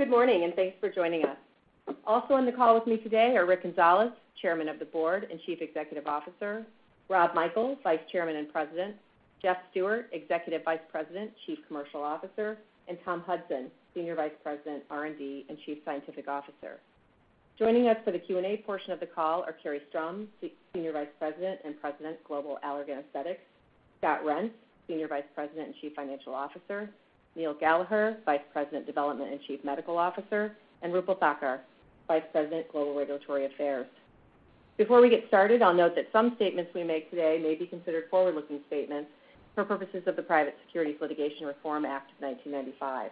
Good morning, and thanks for joining us. Also on the call with me today are Rick Gonzalez, Chairman of the Board and Chief Executive Officer, Rob Michael, Vice Chairman and President, Jeff Stewart, Executive Vice President, Chief Commercial Officer, and Tom Hudson, Senior Vice President, R&D, and Chief Scientific Officer. Joining us for the Q&A portion of the call are Carrie Strom, Senior Vice President and President, Global Allergan Aesthetics, Scott Reents, Senior Vice President and Chief Financial Officer, Neil Gallagher, Vice President, Development and Chief Medical Officer, and Roopal Thakkar, Vice President, Global Regulatory Affairs. Before we get started, I'll note that some statements we make today may be considered forward-looking statements for purposes of the Private Securities Litigation Reform Act of 1995.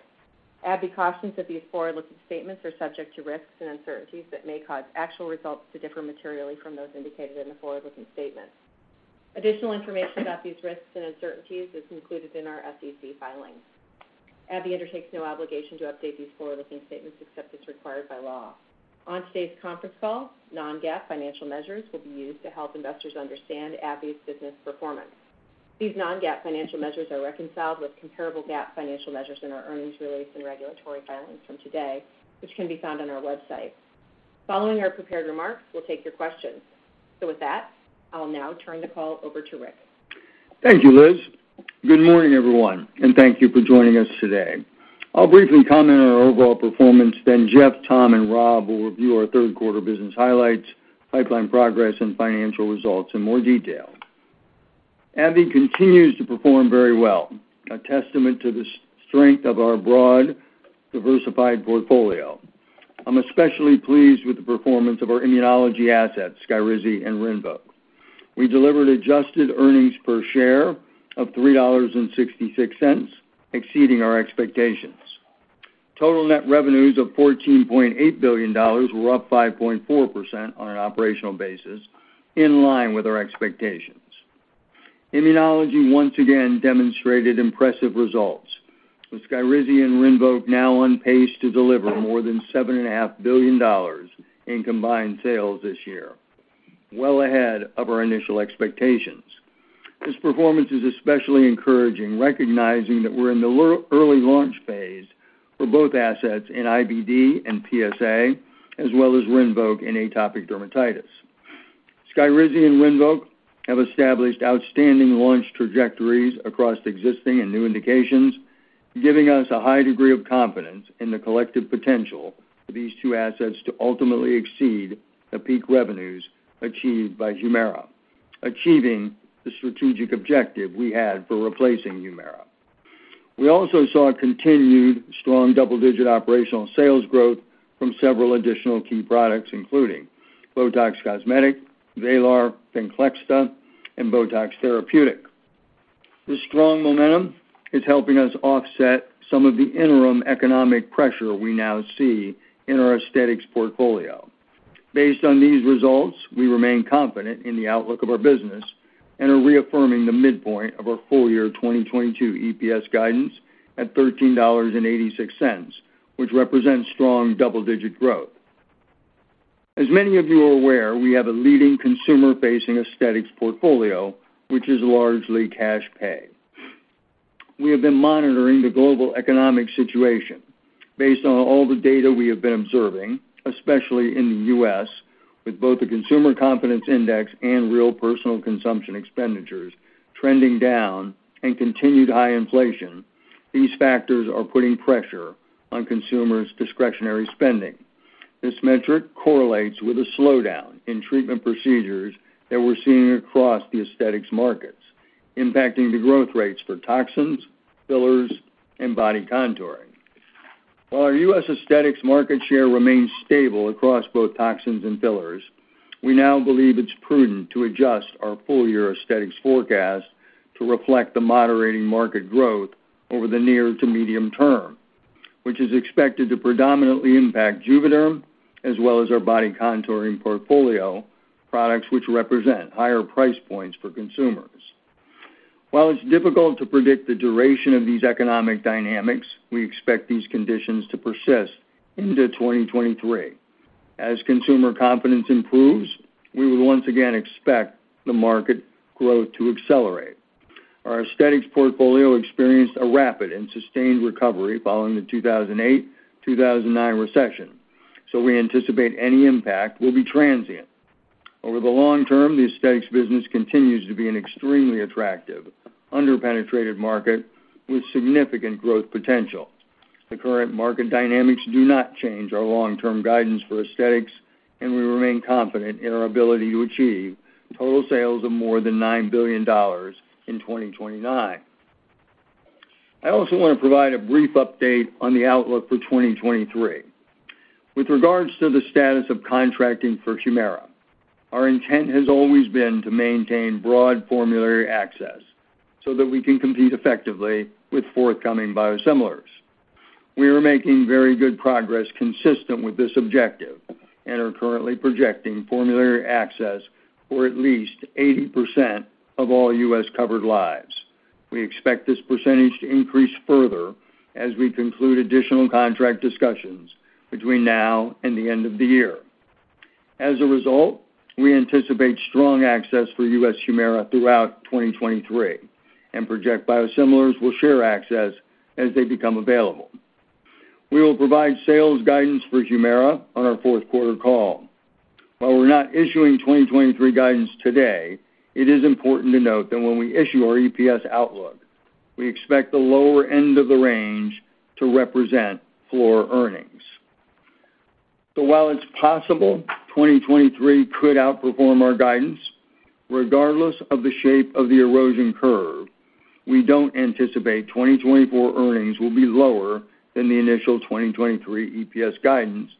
AbbVie cautions that these forward-looking statements are subject to risks and uncertainties that may cause actual results to differ materially from those indicated in the forward-looking statements. Additional information about these risks and uncertainties is included in our SEC filings. AbbVie undertakes no obligation to update these forward-looking statements except as required by law. On today's conference call, non-GAAP financial measures will be used to help investors understand AbbVie's business performance. These non-GAAP financial measures are reconciled with comparable GAAP financial measures in our earnings release and regulatory filings from today, which can be found on our website. Following our prepared remarks, we'll take your questions. With that, I'll now turn the call over to Rick. Thank you, Liz. Good morning, everyone, and thank you for joining us today. I'll briefly comment on our overall performance, then Jeff, Tom, and Rob will review our third quarter business highlights, pipeline progress, and financial results in more detail. AbbVie continues to perform very well, a testament to the strength of our broad, diversified portfolio. I'm especially pleased with the performance of our Immunology assets, SKYRIZI and RINVOQ. We delivered adjusted earnings per share of $3.66, exceeding our expectations. Total net revenues of $14.8 billion were up 5.4% on an operational basis, in line with our expectations. Immunology once again demonstrated impressive results, with SKYRIZI and RINVOQ now on pace to deliver more than $7.5 billion in combined sales this year, well ahead of our initial expectations. This performance is especially encouraging, recognizing that we're in the early launch phase for both assets in IBD and PSA, as well as RINVOQ in atopic dermatitis. SKYRIZI and RINVOQ have established outstanding launch trajectories across existing and new indications, giving us a high degree of confidence in the collective potential for these two assets to ultimately exceed the peak revenues achieved by HUMIRA, achieving the strategic objective we had for replacing HUMIRA. We also saw continued strong double-digit operational sales growth from several additional key products, including BOTOX Cosmetic, VRAYLAR, VENCLEXTA, and BOTOX Therapeutic. This strong momentum is helping us offset some of the interim economic pressure we now see in our Aesthetics portfolio. Based on these results, we remain confident in the outlook of our business and are reaffirming the midpoint of our full year 2022 EPS guidance at $13.86, which represents strong double-digit growth. As many of you are aware, we have a leading consumer-facing Aesthetics portfolio, which is largely cash pay. We have been monitoring the global economic situation based on all the data we have been observing, especially in the U.S., with both the Consumer Confidence Index and real personal consumption expenditures trending down and continued high inflation. These factors are putting pressure on consumers' discretionary spending. This metric correlates with a slowdown in treatment procedures that we're seeing across the Aesthetics markets, impacting the growth rates for toxins, fillers, and body contouring. While our U.S. Aesthetics market share remains stable across both toxins and fillers, we now believe it's prudent to adjust our full year Aesthetics forecast to reflect the moderating market growth over the near to medium term, which is expected to predominantly impact JUVÉDERM as well as our body contouring portfolio, products which represent higher price points for consumers. While it's difficult to predict the duration of these economic dynamics, we expect these conditions to persist into 2023. As consumer confidence improves, we will once again expect the market growth to accelerate. Our Aesthetics portfolio experienced a rapid and sustained recovery following the 2008, 2009 recession, so we anticipate any impact will be transient. Over the long term, the Aesthetics business continues to be an extremely attractive, under-penetrated market with significant growth potential. The current market dynamics do not change our long-term guidance for Aesthetics, and we remain confident in our ability to achieve total sales of more than $9 billion in 2029. I also wanna provide a brief update on the outlook for 2023. With regards to the status of contracting for HUMIRA, our intent has always been to maintain broad formulary access so that we can compete effectively with forthcoming biosimilars. We are making very good progress consistent with this objective and are currently projecting formulary access for at least 80% of all U.S.-covered lives. We expect this percentage to increase further as we conclude additional contract discussions between now and the end of the year. As a result, we anticipate strong access for U.S. HUMIRA throughout 2023 and project biosimilars will share access as they become available. We will provide sales guidance for Humira on our fourth quarter call. While we're not issuing 2023 guidance today, it is important to note that when we issue our EPS outlook, we expect the lower end of the range to represent core earnings. While it's possible 2023 could outperform our guidance, regardless of the shape of the erosion curve, we don't anticipate 2024 earnings will be lower than the initial 2023 EPS guidance,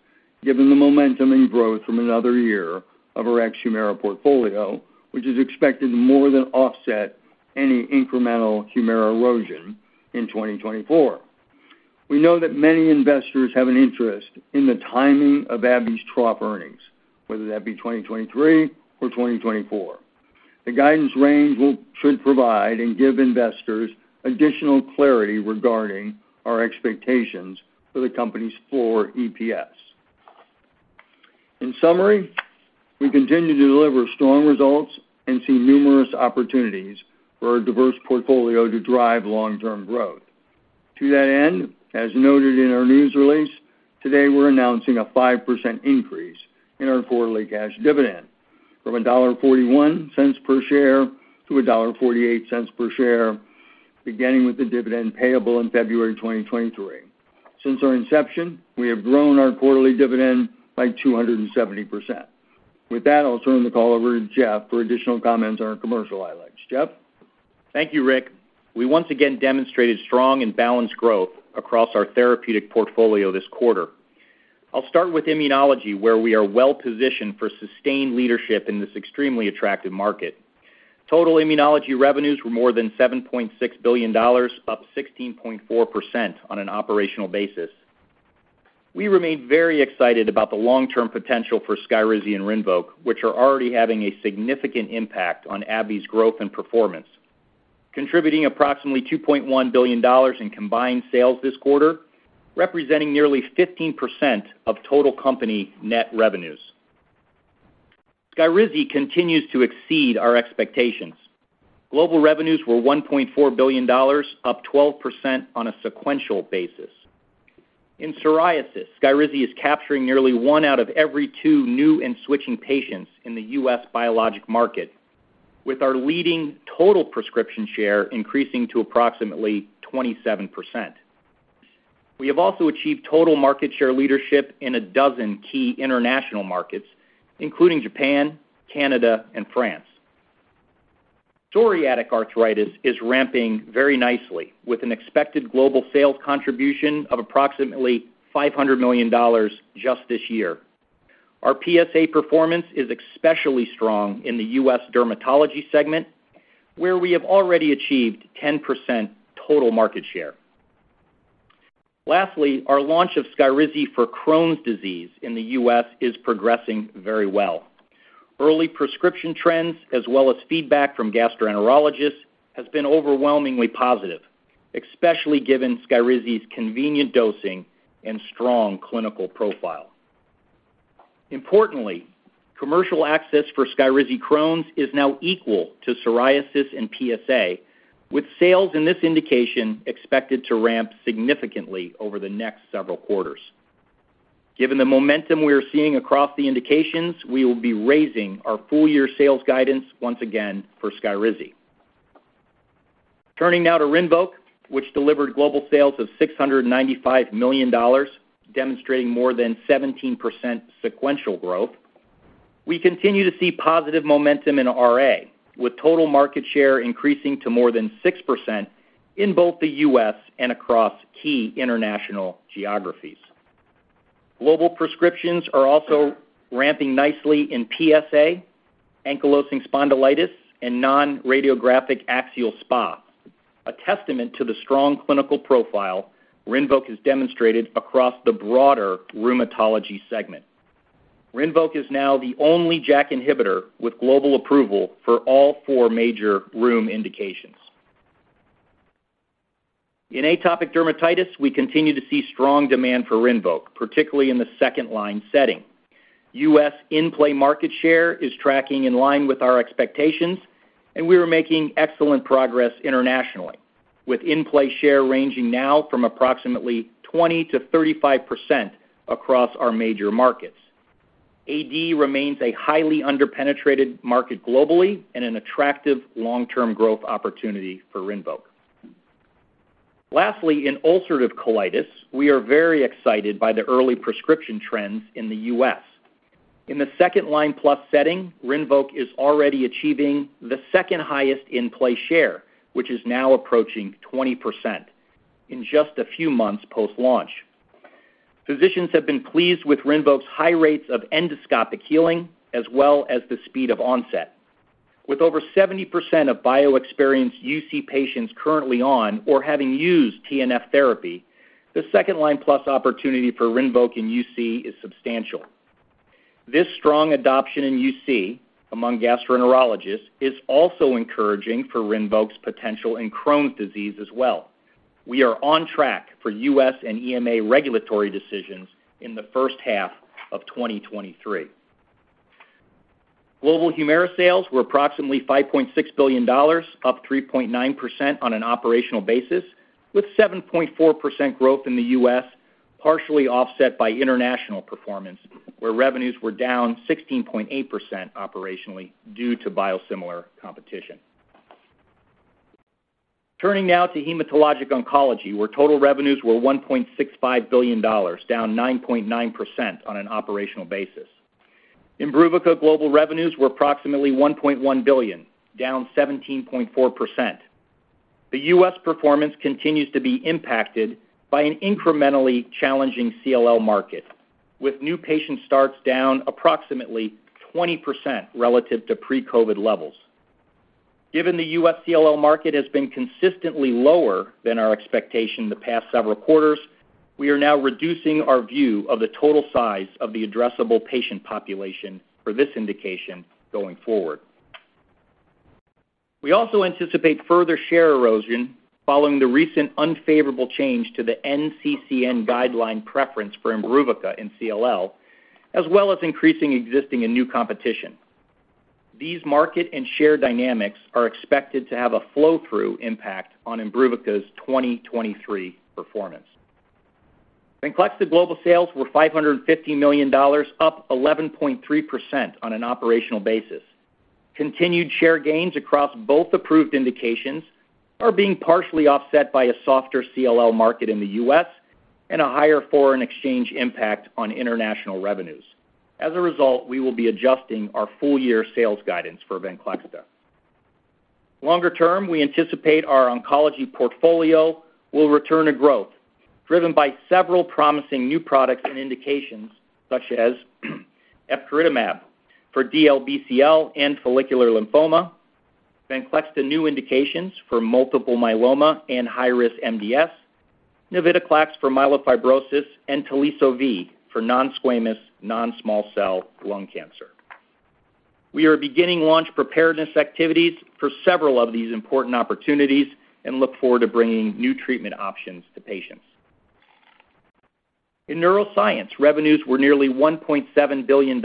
given the momentum and growth from another year of our ex Humira portfolio, which is expected to more than offset any incremental Humira erosion in 2024. We know that many investors have an interest in the timing of AbbVie's trough earnings, whether that be 2023 or 2024. The guidance range will provide and give investors additional clarity regarding our expectations for the company's core EPS. In summary, we continue to deliver strong results and see numerous opportunities for our diverse portfolio to drive long-term growth. To that end, as noted in our news release, today we're announcing a 5% increase in our quarterly cash dividend from $1.41 per share to $1.48 per share, beginning with the dividend payable in February 2023. Since our inception, we have grown our quarterly dividend by 270%. With that, I'll turn the call over to Jeff for additional comments on our commercial highlights. Jeff? Thank you, Rick. We once again demonstrated strong and balanced growth across our therapeutic portfolio this quarter. I'll start with immunology, where we are well positioned for sustained leadership in this extremely attractive market. Total immunology revenues were more than $7.6 billion, up 16.4% on an operational basis. We remain very excited about the long-term potential for SKYRIZI and RINVOQ, which are already having a significant impact on AbbVie's growth and performance, contributing approximately $2.1 billion in combined sales this quarter, representing nearly 15% of total company net revenues. SKYRIZI continues to exceed our expectations. Global revenues were $1.4 billion, up 12% on a sequential basis. In psoriasis, SKYRIZI is capturing nearly one out of every two new and switching patients in the U.S. biologic market, with our leading total prescription share increasing to approximately 27%. We have also achieved total market share leadership in a dozen key international markets, including Japan, Canada and France. Psoriatic arthritis is ramping very nicely with an expected global sales contribution of approximately $500 million just this year. Our PSA performance is especially strong in the U.S. dermatology segment, where we have already achieved 10% total market share. Lastly, our launch of SKYRIZI for Crohn's disease in the U.S. is progressing very well. Early prescription trends, as well as feedback from gastroenterologists, has been overwhelmingly positive, especially given SKYRIZI's convenient dosing and strong clinical profile. Importantly, commercial access for SKYRIZI Crohn's is now equal to psoriasis and PSA, with sales in this indication expected to ramp significantly over the next several quarters. Given the momentum we are seeing across the indications, we will be raising our full year sales guidance once again for SKYRIZI. Turning now to RINVOQ, which delivered global sales of $695 million, demonstrating more than 17% sequential growth. We continue to see positive momentum in RA, with total market share increasing to more than 6% in both the U.S. and across key international geographies. Global prescriptions are also ramping nicely in PSA, ankylosing spondylitis, and non-radiographic axial SpA, a testament to the strong clinical profile RINVOQ has demonstrated across the broader rheumatology segment. RINVOQ is now the only JAK inhibitor with global approval for all four major rheum indications. In atopic dermatitis, we continue to see strong demand for RINVOQ, particularly in the second-line setting. U.S. in-play market share is tracking in line with our expectations, and we are making excellent progress internationally with in-play share ranging now from approximately 20%-35% across our major markets. AD remains a highly underpenetrated market globally and an attractive long-term growth opportunity for RINVOQ. Lastly, in ulcerative colitis, we are very excited by the early prescription trends in the U.S. In the second-line plus setting, RINVOQ is already achieving the second highest in-play share, which is now approaching 20% in just a few months post-launch. Physicians have been pleased with RINVOQ's high rates of endoscopic healing, as well as the speed of onset. With over 70% of bio-experienced UC patients currently on or having used TNF therapy, the second-line plus opportunity for RINVOQ in UC is substantial. This strong adoption in UC among gastroenterologists is also encouraging for RINVOQ's potential in Crohn's disease as well. We are on track for U.S. and EMA regulatory decisions in the first half of 2023. Global HUMIRA sales were approximately $5.6 billion, up 3.9% on an operational basis, with 7.4% growth in the U.S., partially offset by international performance, where revenues were down 16.8% operationally due to biosimilar competition. Turning now to hematologic oncology, where total revenues were $1.65 billion, down 9.9% on an operational basis. IMBRUVICA global revenues were approximately $1.1 billion, down 17.4%. The U.S. performance continues to be impacted by an incrementally challenging CLL market, with new patient starts down approximately 20% relative to pre-COVID levels. Given the U.S. CLL market has been consistently lower than our expectation the past several quarters, we are now reducing our view of the total size of the addressable patient population for this indication going forward. We also anticipate further share erosion following the recent unfavorable change to the NCCN guideline preference for IMBRUVICA in CLL, as well as increasing existing and new competition. These market and share dynamics are expected to have a flow-through impact on IMBRUVICA's 2023 performance. VENCLEXTA global sales were $550 million, up 11.3% on an operational basis. Continued share gains across both approved indications are being partially offset by a softer CLL market in the US and a higher foreign exchange impact on international revenues. As a result, we will be adjusting our full-year sales guidance for VENCLEXTA. Longer term, we anticipate our oncology portfolio will return to growth, driven by several promising new products and indications, such as epcoritamab for DLBCL and follicular lymphoma, VENCLEXTA new indications for multiple myeloma and high-risk MDS, navitoclax for myelofibrosis, and TELISO-V for nonsquamous non-small cell lung cancer. We are beginning launch preparedness activities for several of these important opportunities and look forward to bringing new treatment options to patients. In neuroscience, revenues were nearly $1.7 billion,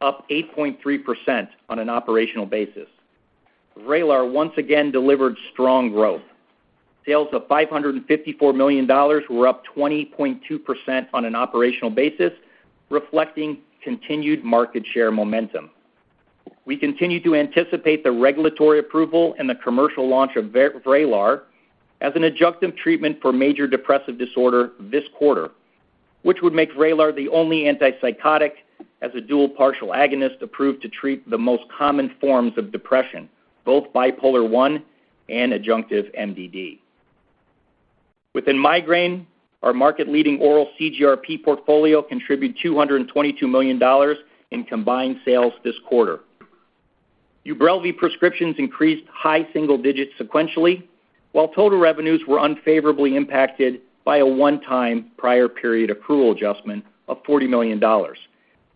up 8.3% on an operational basis. VRAYLAR once again delivered strong growth. Sales of $554 million were up 20.2% on an operational basis, reflecting continued market share momentum. We continue to anticipate the regulatory approval and the commercial launch of VRAYLAR as an adjunctive treatment for major depressive disorder this quarter, which would make VRAYLAR the only antipsychotic as a dual partial agonist approved to treat the most common forms of depression, both bipolar I and adjunctive MDD. Within migraine, our market-leading oral CGRP portfolio contributed $222 million in combined sales this quarter. UBRELVY prescriptions increased high single digits sequentially, while total revenues were unfavorably impacted by a one-time prior period accrual adjustment of $40 million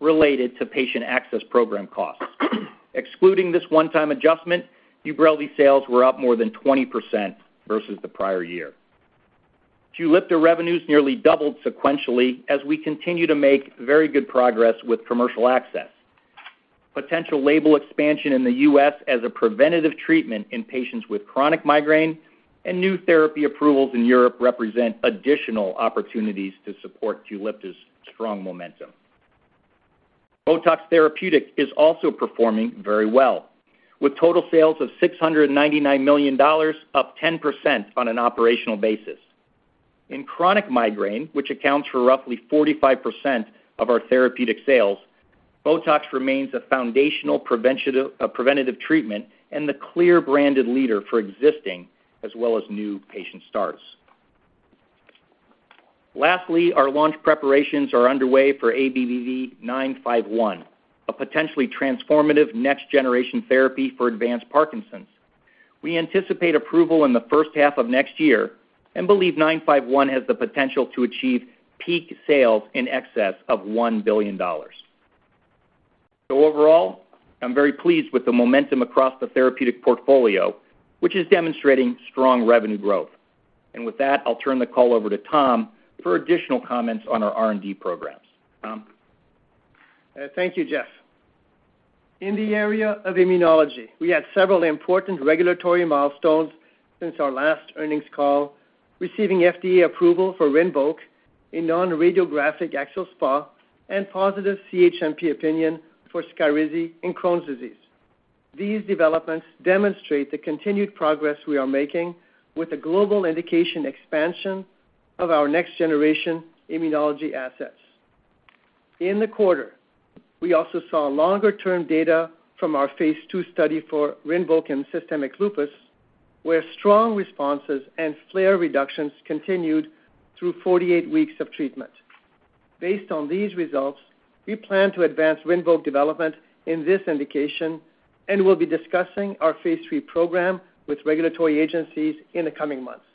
related to patient access program costs. Excluding this one-time adjustment, UBRELVY sales were up more than 20% versus the prior year. QULIPTA revenues nearly doubled sequentially as we continue to make very good progress with commercial access. Potential label expansion in the US as a preventative treatment in patients with chronic migraine and new therapy approvals in Europe represent additional opportunities to support QULIPTA's strong momentum. BOTOX Therapeutic is also performing very well, with total sales of $699 million, up 10% on an operational basis. In chronic migraine, which accounts for roughly 45% of our therapeutic sales, BOTOX remains a foundational preventative treatment and the clear branded leader for existing as well as new patient starts. Lastly, our launch preparations are underway for ABBV-951, a potentially transformative next generation therapy for advanced Parkinson's. We anticipate approval in the first half of next year and believe ABBV-951 has the potential to achieve peak sales in excess of $1 billion. Overall, I'm very pleased with the momentum across the therapeutic portfolio, which is demonstrating strong revenue growth. With that, I'll turn the call over to Tom for additional comments on our R&D programs. Tom? Thank you, Jeff. In the area of immunology, we had several important regulatory milestones since our last earnings call, receiving FDA approval for RINVOQ, a non-radiographic axial SpA, and positive CHMP opinion for SKYRIZI in Crohn's disease. These developments demonstrate the continued progress we are making with the global indication expansion of our next generation immunology assets. In the quarter, we also saw longer-term data from our phase two study for RINVOQ in systemic lupus, where strong responses and flare reductions continued through 48 weeks of treatment. Based on these results, we plan to advance RINVOQ development in this indication, and we'll be discussing our phase three program with regulatory agencies in the coming months.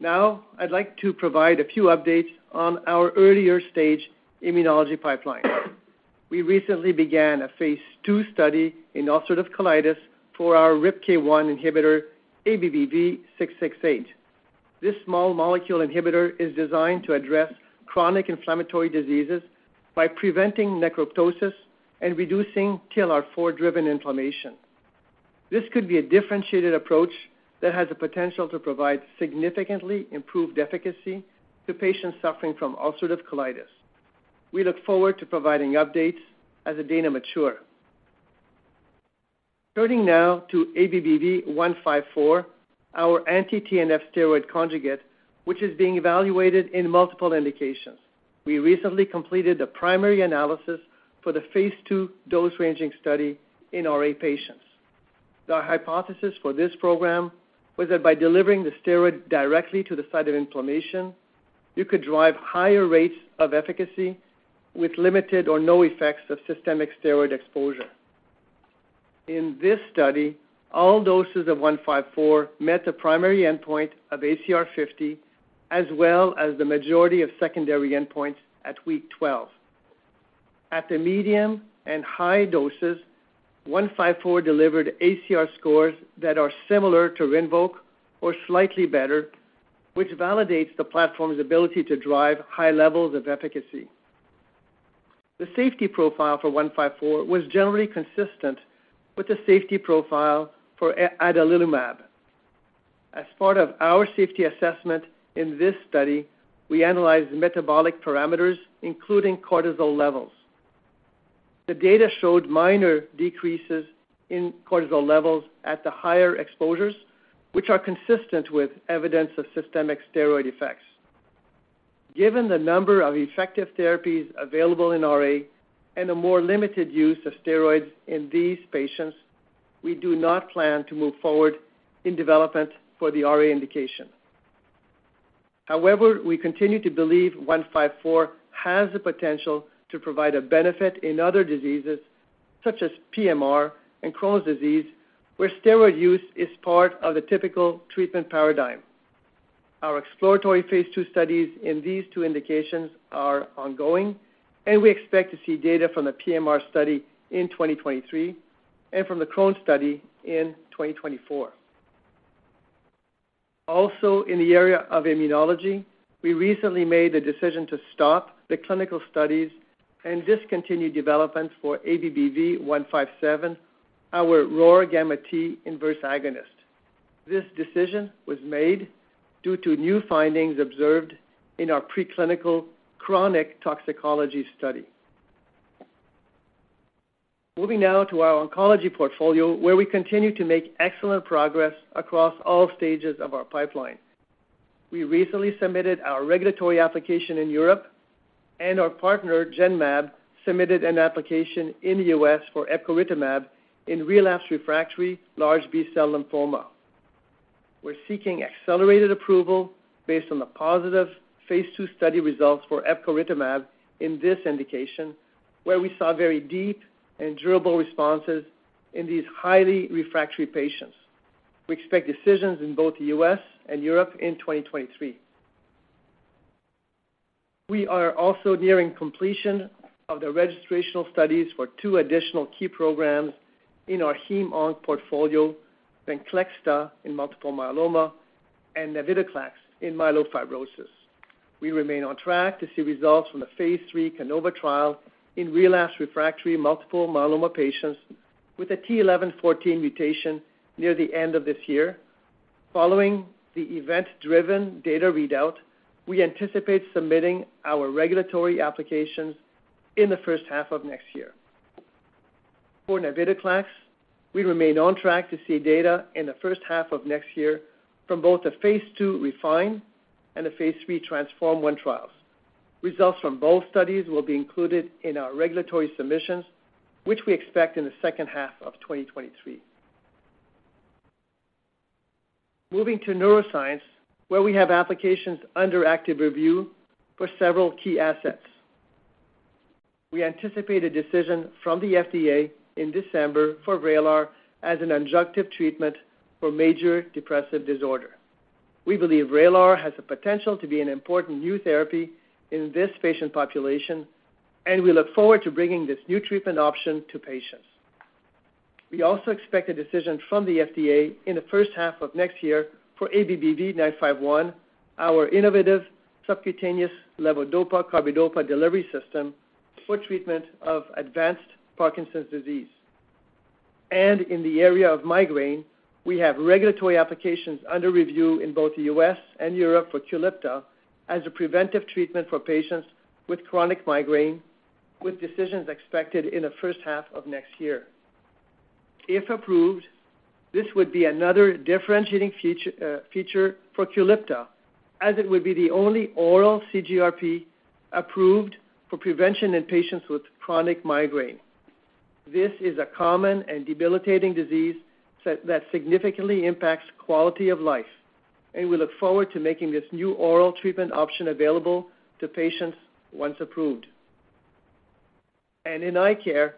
Now, I'd like to provide a few updates on our earlier stage immunology pipeline. We recently began a phase II study in ulcerative colitis for our RIPK1 inhibitor, ABBV-668. This small molecule inhibitor is designed to address chronic inflammatory diseases by preventing necroptosis and reducing TLR4-driven inflammation. This could be a differentiated approach that has the potential to provide significantly improved efficacy to patients suffering from ulcerative colitis. We look forward to providing updates as the data mature. Turning now to ABBV-154, our anti-TNF steroid conjugate, which is being evaluated in multiple indications. We recently completed the primary analysis for the phase II dose-ranging study in RA patients. The hypothesis for this program was that by delivering the steroid directly to the site of inflammation, you could drive higher rates of efficacy with limited or no effects of systemic steroid exposure. In this study, all doses of 154 met the primary endpoint of ACR50, as well as the majority of secondary endpoints at week 12. At the medium and high doses, 154 delivered ACR scores that are similar to RINVOQ or slightly better, which validates the platform's ability to drive high levels of efficacy. The safety profile for 154 was generally consistent with the safety profile for adalimumab. As part of our safety assessment in this study, we analyzed metabolic parameters, including cortisol levels. The data showed minor decreases in cortisol levels at the higher exposures, which are consistent with evidence of systemic steroid effects. Given the number of effective therapies available in RA and a more limited use of steroids in these patients, we do not plan to move forward in development for the RA indication. However, we continue to believe 154 has the potential to provide a benefit in other diseases such as PMR and Crohn's disease, where steroid use is part of the typical treatment paradigm. Our exploratory phase II studies in these two indications are ongoing, and we expect to see data from the PMR study in 2023 and from the Crohn's study in 2024. Also, in the area of immunology, we recently made the decision to stop the clinical studies and discontinue development for ABBV-157, our ROR gamma T inverse agonist. This decision was made due to new findings observed in our preclinical chronic toxicology study. Moving now to our oncology portfolio, where we continue to make excellent progress across all stages of our pipeline. We recently submitted our regulatory application in Europe, and our partner Genmab submitted an application in the U.S. for epcoritamab in relapsed refractory large B-cell lymphoma. We're seeking accelerated approval based on the positive phase II study results for epcoritamab in this indication, where we saw very deep and durable responses in these highly refractory patients. We expect decisions in both the U.S. and Europe in 2023. We are also nearing completion of the registrational studies for 2 additional key programs in our hem/onc portfolio, VENCLEXTA in multiple myeloma and navitoclax in myelofibrosis. We remain on track to see results from the Phase III CANOVA trial in relapsed refractory multiple myeloma patients with a t(11;14) mutation near the end of this year. Following the event-driven data readout, we anticipate submitting our regulatory applications in the first half of next year. For navitoclax, we remain on track to see data in the first half of next year from both the Phase II REFINE and the Phase III TRANSFORM-1 trials. Results from both studies will be included in our regulatory submissions, which we expect in the second half of 2023. Moving to neuroscience, where we have applications under active review for several key assets. We anticipate a decision from the FDA in December for VRAYLAR as an adjunctive treatment for major depressive disorder. We believe VRAYLAR has the potential to be an important new therapy in this patient population, and we look forward to bringing this new treatment option to patients. We also expect a decision from the FDA in the first half of next year for ABBV-951, our innovative subcutaneous levodopa-carbidopa delivery system for treatment of advanced Parkinson's disease. In the area of migraine, we have regulatory applications under review in both the U.S. and Europe for QULIPTA as a preventive treatment for patients with chronic migraine, with decisions expected in the first half of next year. If approved, this would be another differentiating feature for QULIPTA, as it would be the only oral CGRP approved for prevention in patients with chronic migraine. This is a common and debilitating disease that significantly impacts quality of life, and we look forward to making this new oral treatment option available to patients once approved. In eye care,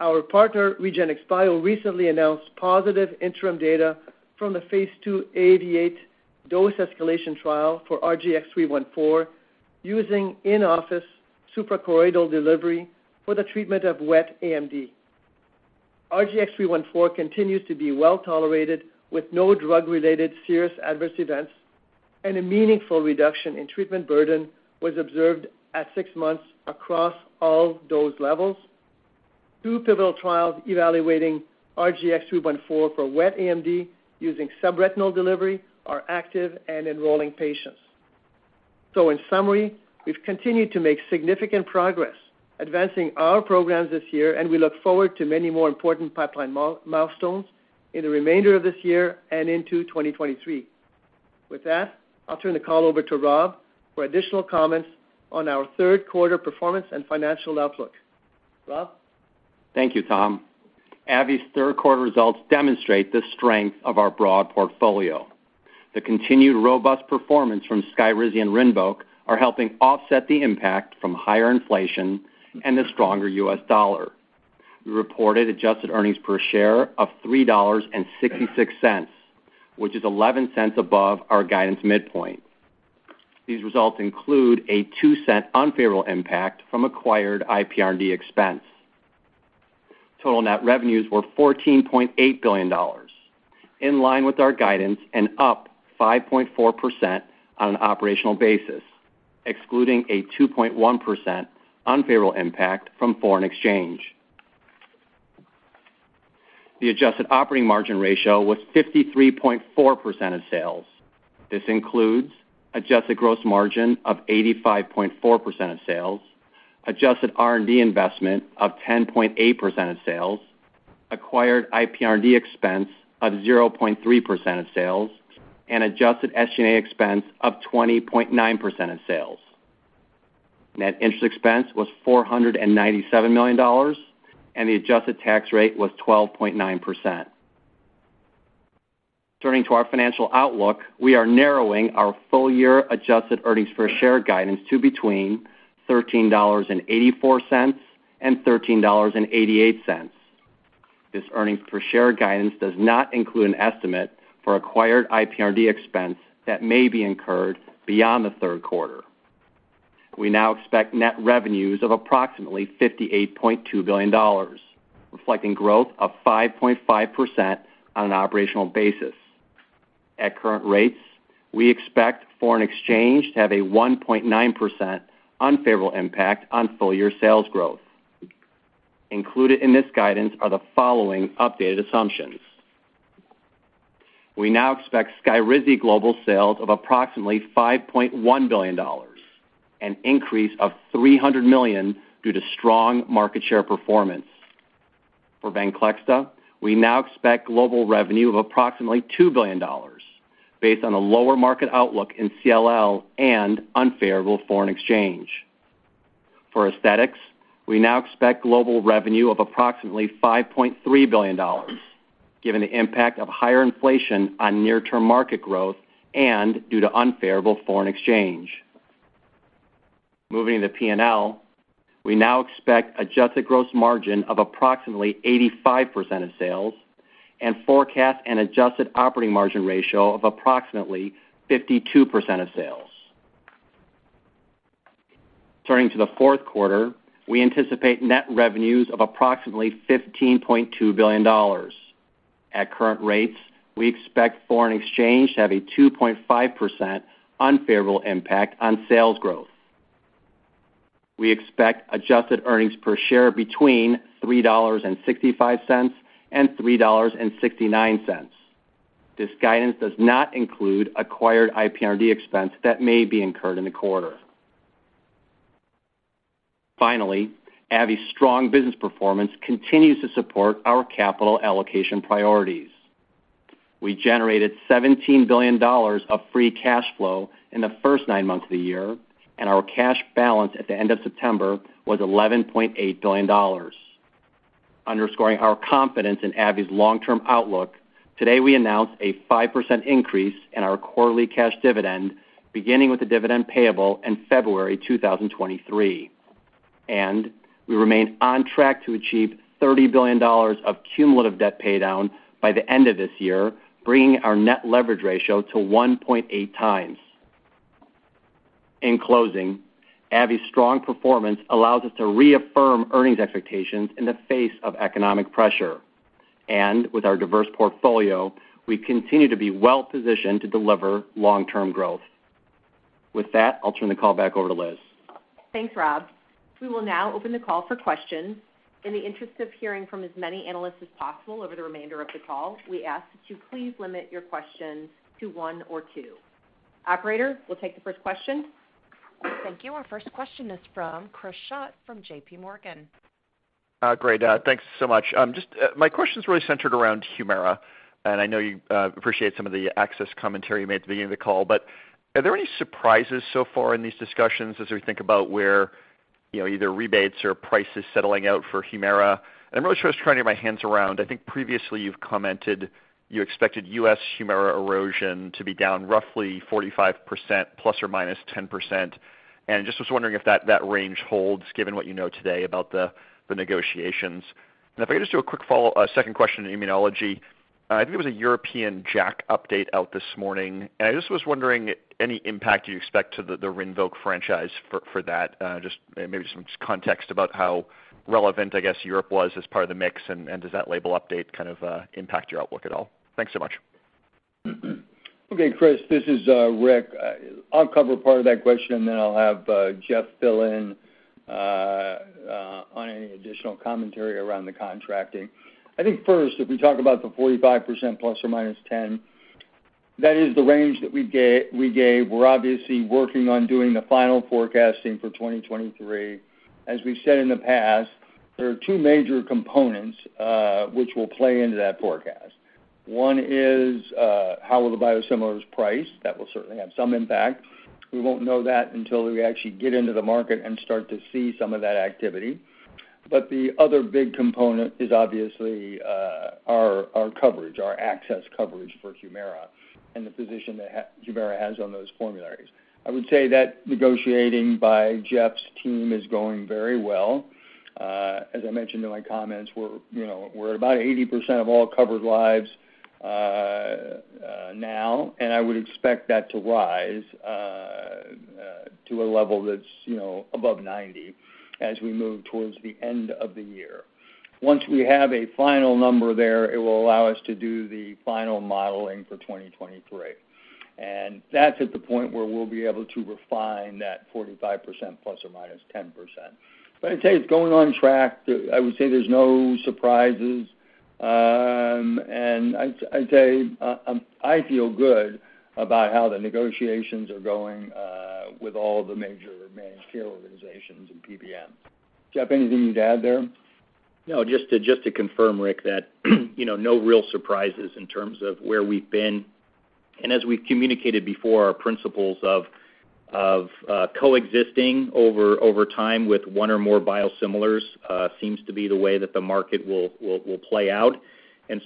our partner, REGENXBIO, recently announced positive interim data from the Phase I/II dose escalation trial for RGX-314 using in-office suprachoroidal delivery for the treatment of wet AMD. RGX-314 continues to be well tolerated with no drug-related serious adverse events, and a meaningful reduction in treatment burden was observed at six months across all dose levels. Two pivotal trials evaluating RGX-314 for wet AMD using subretinal delivery are active and enrolling patients. In summary, we've continued to make significant progress advancing our programs this year, and we look forward to many more important pipeline milestones in the remainder of this year and into 2023. With that, I'll turn the call over to Rob for additional comments on our third quarter performance and financial outlook. Rob? Thank you, Tom. AbbVie's third quarter results demonstrate the strength of our broad portfolio. The continued robust performance from SKYRIZI and RINVOQ are helping offset the impact from higher inflation and the stronger U.S. dollar. We reported adjusted earnings per share of $3.66, which is $0.11 above our guidance midpoint. These results include a $0.02 unfavorable impact from acquired IPR&D expense. Total net revenues were $14.8 billion, in line with our guidance and up 5.4% on an operational basis, excluding a 2.1% unfavorable impact from foreign exchange. The adjusted operating margin ratio was 53.4% of sales. This includes adjusted gross margin of 85.4% of sales, adjusted R&D investment of 10.8% of sales, acquired IPR&D expense of 0.3% of sales, and adjusted SG&A expense of 20.9% of sales. Net interest expense was $497 million, and the adjusted tax rate was 12.9%. Turning to our financial outlook, we are narrowing our full-year adjusted earnings per share guidance to between $13.84 and $13.88. This earnings per share guidance does not include an estimate for acquired IPR&D expense that may be incurred beyond the third quarter. We now expect net revenues of approximately $58.2 billion, reflecting growth of 5.5% on an operational basis. At current rates, we expect foreign exchange to have a 1.9% unfavorable impact on full-year sales growth. Included in this guidance are the following updated assumptions. We now expect SKYRIZI global sales of approximately $5.1 billion, an increase of $300 million due to strong market share performance. For VENCLEXTA, we now expect global revenue of approximately $2 billion based on a lower market outlook in CLL and unfavorable foreign exchange. For Aesthetics, we now expect global revenue of approximately $5.3 billion, given the impact of higher inflation on near-term market growth and due to unfavorable foreign exchange. Moving to P&L, we now expect adjusted gross margin of approximately 85% of sales and forecast an adjusted operating margin ratio of approximately 52% of sales. Turning to the fourth quarter, we anticipate net revenues of approximately $15.2 billion. At current rates, we expect foreign exchange to have a 2.5% unfavorable impact on sales growth. We expect adjusted earnings per share between $3.65 and $3.69. This guidance does not include acquired IPR&D expense that may be incurred in the quarter. Finally, AbbVie's strong business performance continues to support our capital allocation priorities. We generated $17 billion of free cash flow in the first nine months of the year, and our cash balance at the end of September was $11.8 billion. Underscoring our confidence in AbbVie's long-term outlook, today we announced a 5% increase in our quarterly cash dividend, beginning with the dividend payable in February 2023. We remain on track to achieve $30 billion of cumulative debt paydown by the end of this year, bringing our net leverage ratio to 1.8 times. In closing, AbbVie's strong performance allows us to reaffirm earnings expectations in the face of economic pressure. With our diverse portfolio, we continue to be well-positioned to deliver long-term growth. With that, I'll turn the call back over to Liz. Thanks, Rob. We will now open the call for questions. In the interest of hearing from as many analysts as possible over the remainder of the call, we ask that you please limit your questions to one or two. Operator, we'll take the first question. Thank you. Our first question is from Chris Schott from J.P. Morgan. Great. Thanks so much. My question is centered around HUMIRA, and I know you appreciate some of the access commentary you made at the beginning of the call. Are there any surprises so far in these discussions as we think about where, you know, either rebates or prices settling out for HUMIRA? I'm really just trying to get my hands around. I think previously you've commented you expected U.S. HUMIRA erosion to be down roughly 45% ±10%. Just was wondering if that range holds given what you know today about the negotiations. If I could just do a quick follow, second question in immunology. I think it was a European JAK update out this morning. I just was wondering any impact you expect to the RINVOQ franchise for that, just maybe some context about how relevant, I guess, Europe was as part of the mix, and does that label update kind of impact your outlook at all? Thanks so much. Okay, Chris, this is Rick. I'll cover part of that question, and then I'll have Jeff fill in on any additional commentary around the contracting. I think first, if we talk about the 45% ±10, that is the range that we gave. We're obviously working on doing the final forecasting for 2023. As we've said in the past, there are two major components which will play into that forecast. One is how will the biosimilars price? That will certainly have some impact. We won't know that until we actually get into the market and start to see some of that activity. The other big component is obviously our coverage, our access coverage for HUMIRA and the position that HUMIRA has on those formularies. I would say that negotiating by Jeff's team is going very well. As I mentioned in my comments, we're, you know, at about 80% of all covered lives now, and I would expect that to rise to a level that's, you know, above 90% as we move towards the end of the year. Once we have a final number there, it will allow us to do the final modeling for 2023. That's at the point where we'll be able to refine that 45% ±10%. I'd say it's going on track. I would say there's no surprises. I'd say I feel good about how the negotiations are going with all the major managed care organizations and PBMs. Jeff, anything you'd add there? No, just to confirm, Rick, that you know no real surprises in terms of where we've been. As we've communicated before, our principles of coexisting over time with one or more biosimilars seems to be the way that the market will play out.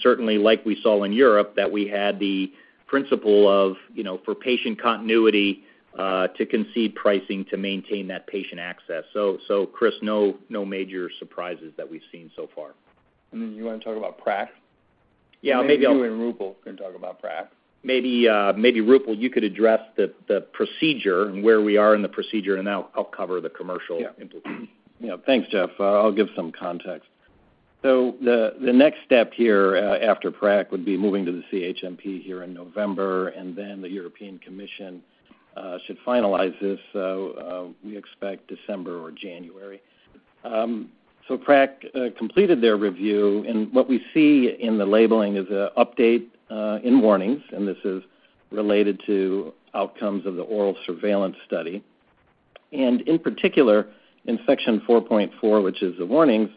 Certainly, like we saw in Europe, that we had the principle of you know for patient continuity to concede pricing to maintain that patient access. Chris, no major surprises that we've seen so far. You wanna talk about PRAC? Yeah, maybe I'll. Maybe you and Roopal can talk about PRAC. Maybe, maybe Roopal, you could address the procedure and where we are in the procedure, and I'll cover the commercial input. Yeah. You know, thanks, Jeff. I'll give some context. The next step here after PRAC would be moving to the CHMP here in November, and then the European Commission should finalize this, so we expect December or January. PRAC completed their review, and what we see in the labeling is an update in warnings, and this is related to outcomes of the ORAL Surveillance study. In particular, in section 4.4, which is the warnings,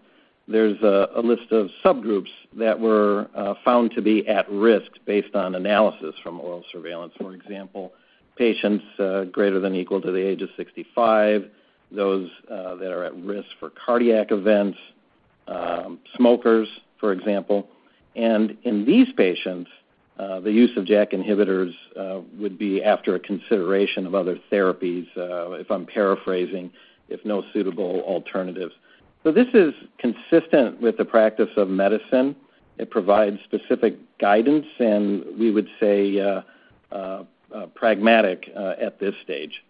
there's a list of subgroups that were found to be at risk based on analysis from ORAL Surveillance. For example, patients greater than or equal to the age of 65, those that are at risk for cardiac events, smokers, for example. In these patients, the use of JAK inhibitors would be after a consideration of other therapies, if I'm paraphrasing, if no suitable alternatives. This is consistent with the practice of medicine. It provides specific guidance, and we would say pragmatic at this stage.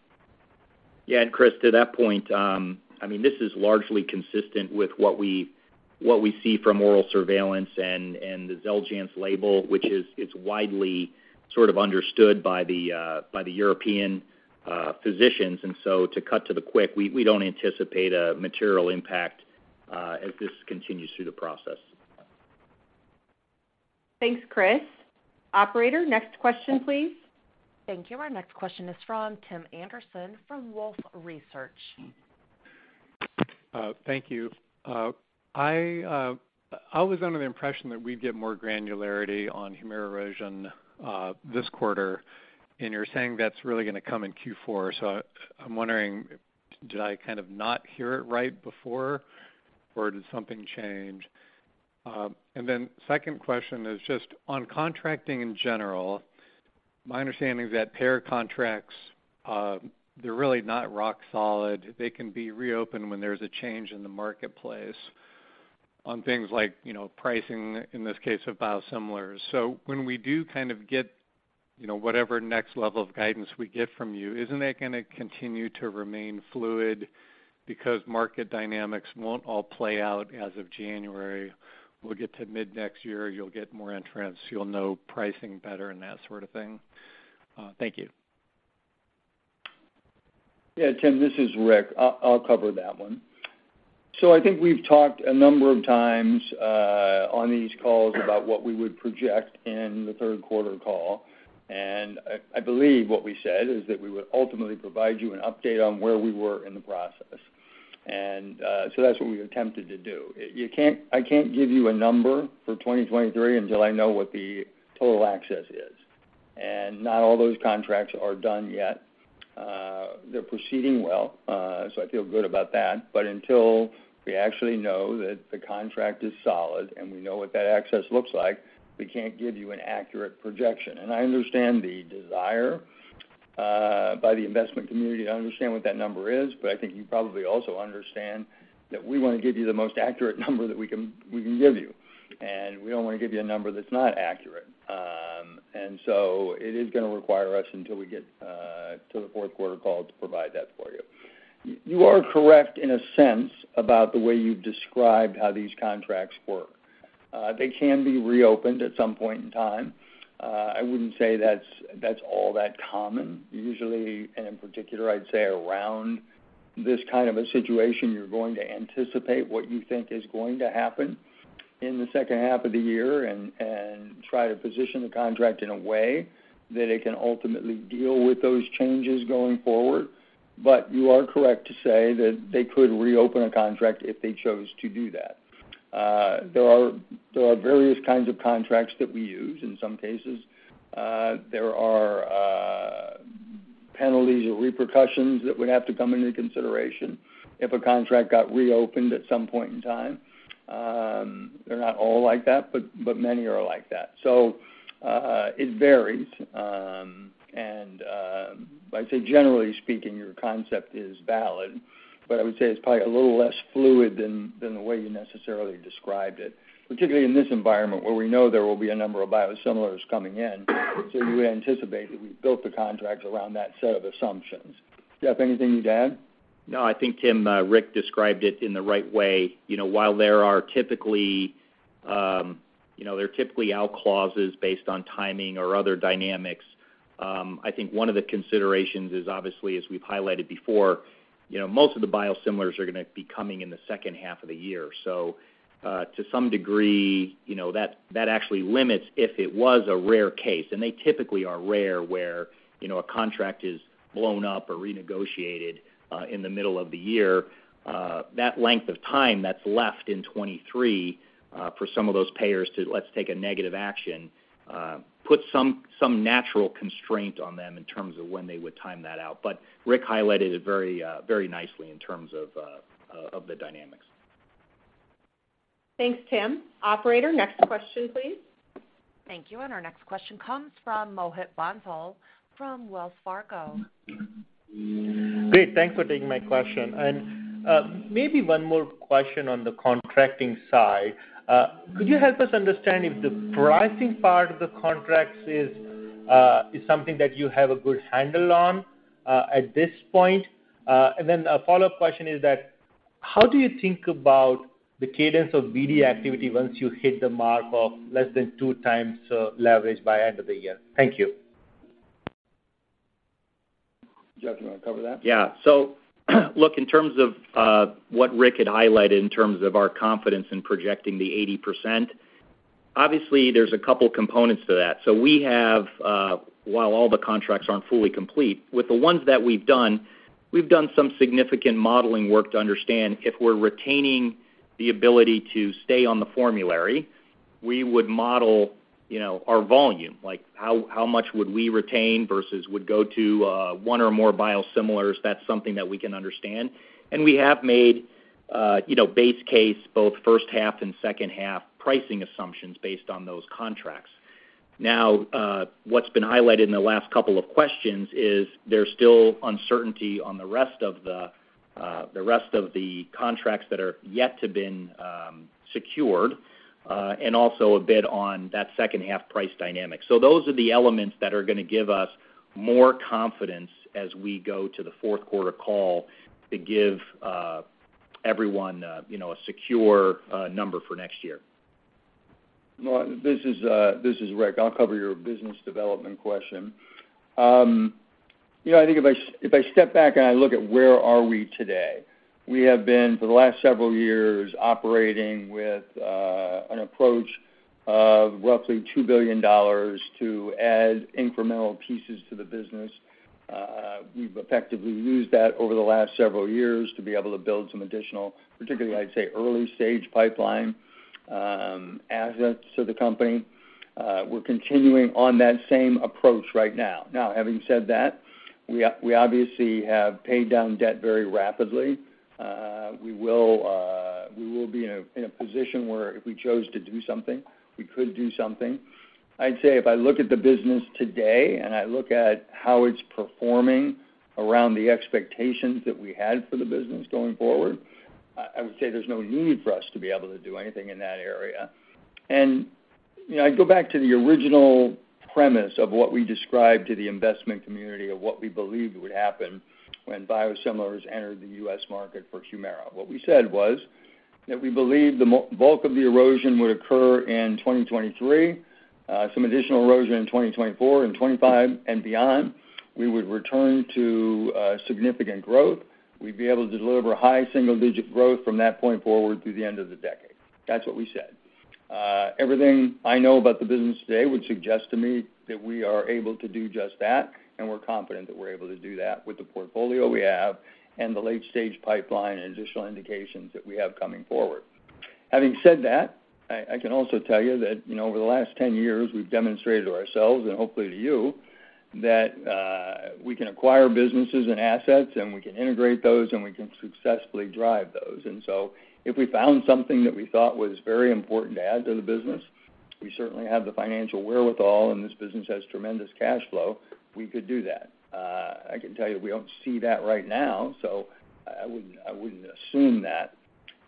Yeah. Chris, to that point, I mean, this is largely consistent with what we see from ORAL Surveillance and the XELJANZ label, which is, it's widely sort of understood by the European physicians. To cut to the quick, we don't anticipate a material impact as this continues through the process. Thanks, Chris. Operator, next question, please. Thank you. Our next question is from Tim Anderson from Wolfe Research. Thank you. I was under the impression that we'd get more granularity on HUMIRA erosion, this quarter, and you're saying that's really gonna come in Q4. I'm wondering, did I kind of not hear it right before, or did something change? Second question is just on contracting in general, my understanding is that payer contracts, they're really not rock solid. They can be reopened when there's a change in the marketplace on things like, you know, pricing, in this case, of biosimilars. When we do kind of get, you know, whatever next level of guidance we get from you, isn't that gonna continue to remain fluid because market dynamics won't all play out as of January. We'll get to mid next year, you'll get more entrants, you'll know pricing better and that sort of thing. Thank you. Yeah, Tim, this is Rick. I'll cover that one. I think we've talked a number of times on these calls about what we would project in the third quarter call. I believe what we said is that we would ultimately provide you an update on where we were in the process. That's what we attempted to do. I can't give you a number for 2023 until I know what the total access is. Not all those contracts are done yet. They're proceeding well, so I feel good about that. Until we actually know that the contract is solid and we know what that access looks like, we can't give you an accurate projection. I understand the desire by the investment community to understand what that number is, but I think you probably also understand that we wanna give you the most accurate number that we can give you. We don't wanna give you a number that's not accurate. It is gonna require us until we get to the fourth quarter call to provide that for you. You are correct in a sense about the way you've described how these contracts work. They can be reopened at some point in time. I wouldn't say that's all that common. Usually, in particular, I'd say around this kind of a situation, you're going to anticipate what you think is going to happen in the second half of the year and try to position the contract in a way that it can ultimately deal with those changes going forward. You are correct to say that they could reopen a contract if they chose to do that. There are various kinds of contracts that we use in some cases. There are penalties or repercussions that would have to come into consideration if a contract got reopened at some point in time. They're not all like that, but many are like that. It varies. I'd say generally speaking, your concept is valid, but I would say it's probably a little less fluid than the way you necessarily described it, particularly in this environment where we know there will be a number of biosimilars coming in. You would anticipate that we've built the contracts around that set of assumptions. Jeff, anything to add? No, I think, Tim, Rick described it in the right way. You know, while there are typically out clauses based on timing or other dynamics, I think one of the considerations is obviously, as we've highlighted before, you know, most of the biosimilars are gonna be coming in the second half of the year. So, to some degree, you know, that actually limits if it was a rare case, and they typically are rare, where, you know, a contract is blown up or renegotiated in the middle of the year. That length of time that's left in 2023 for some of those payers to, let's take a negative action, put some natural constraint on them in terms of when they would time that out. Rick highlighted it very nicely in terms of the dynamics. Thanks, Tim. Operator, next question, please. Thank you. Our next question comes from Mohit Bansal from Wells Fargo. Great. Thanks for taking my question. Maybe one more question on the contracting side. Could you help us understand if the pricing part of the contracts is something that you have a good handle on at this point? A follow-up question is that how do you think about the cadence of BD activity once you hit the mark of less than 2x leverage by end of the year? Thank you. Jeff, do you wanna cover that? Yeah. Look, in terms of what Rick had highlighted in terms of our confidence in projecting the 80%, obviously there's a couple components to that. We have, while all the contracts aren't fully complete, with the ones that we've done, we've done some significant modeling work to understand if we're retaining the ability to stay on the formulary, we would model, you know, our volume, like how much would we retain versus would go to one or more biosimilars, that's something that we can understand. We have made, you know, base case both first half and second half pricing assumptions based on those contracts. What's been highlighted in the last couple of questions is there's still uncertainty on the rest of the contracts that are yet to been secured, and also a bit on that second half price dynamic. Those are the elements that are gonna give us more confidence as we go to the fourth quarter call to give everyone you know a secure number for next year. Well, this is Rick. I'll cover your business development question. You know, I think if I step back and I look at where are we today, we have been, for the last several years, operating with an approach of roughly $2 billion to add incremental pieces to the business. We've effectively used that over the last several years to be able to build some additional, particularly, I'd say, early stage pipeline assets to the company. We're continuing on that same approach right now. Now, having said that, we obviously have paid down debt very rapidly. We will be in a position where if we chose to do something, we could do something. I'd say if I look at the business today and I look at how it's performing around the expectations that we had for the business going forward, I would say there's no need for us to be able to do anything in that area. You know, I go back to the original premise of what we described to the investment community of what we believed would happen when biosimilars entered the U.S. market for HUMIRA. What we said was that we believe the bulk of the erosion would occur in 2023, some additional erosion in 2024 and 2025 and beyond. We would return to significant growth. We'd be able to deliver high single-digit growth from that point forward through the end of the decade. That's what we said. Everything I know about the business today would suggest to me that we are able to do just that, and we're confident that we're able to do that with the portfolio we have and the late stage pipeline and additional indications that we have coming forward. Having said that, I can also tell you that, you know, over the last 10 years, we've demonstrated to ourselves and hopefully to you that we can acquire businesses and assets and we can integrate those and we can successfully drive those. If we found something that we thought was very important to add to the business, we certainly have the financial wherewithal, and this business has tremendous cash flow, we could do that. I can tell you we don't see that right now, so I wouldn't assume that.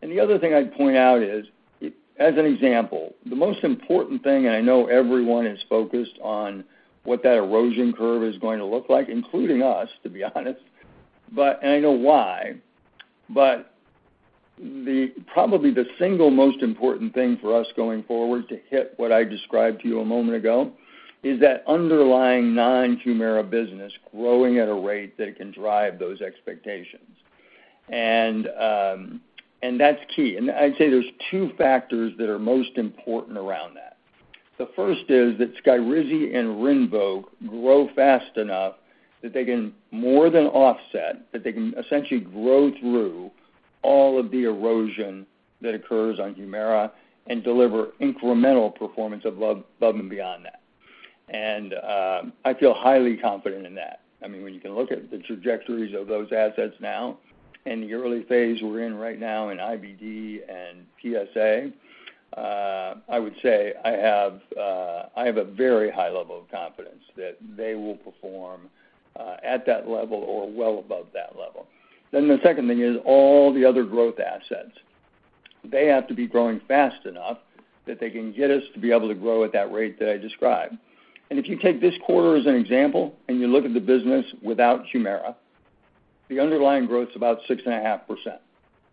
The other thing I'd point out is, as an example, the most important thing, and I know everyone is focused on what that erosion curve is going to look like, including us, to be honest, and I know why. Probably the single most important thing for us going forward to hit what I described to you a moment ago is that underlying non-HUMIRA business growing at a rate that can drive those expectations. That's key. I'd say there's two factors that are most important around that. The first is that SKYRIZI and RINVOQ grow fast enough that they can more than offset, that they can essentially grow through all of the erosion that occurs on HUMIRA and deliver incremental performance above and beyond that. I feel highly confident in that. I mean, when you can look at the trajectories of those assets now in the early phase we're in right now in IBD and PSA, I would say I have a very high level of confidence that they will perform at that level or well above that level. The second thing is all the other growth assets. They have to be growing fast enough that they can get us to be able to grow at that rate that I described. If you take this quarter as an example and you look at the business without Humira, the underlying growth's about 6.5%.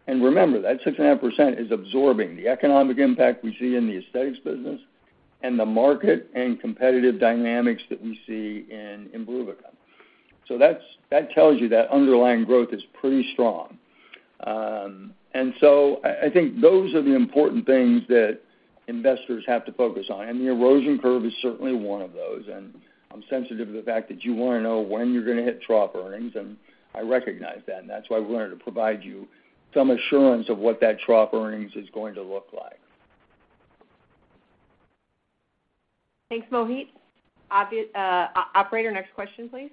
Remember, that 6.5% is absorbing the economic impact we see in the aesthetics business and the market and competitive dynamics that we see in IMBRUVICA. that tells you that underlying growth is pretty strong. I think those are the important things that investors have to focus on, and the erosion curve is certainly one of those. I'm sensitive to the fact that you wanna know when you're gonna hit trough earnings, and I recognize that, and that's why we wanted to provide you some assurance of what that trough earnings is going to look like. Thanks, Mohit. Operator, next question, please.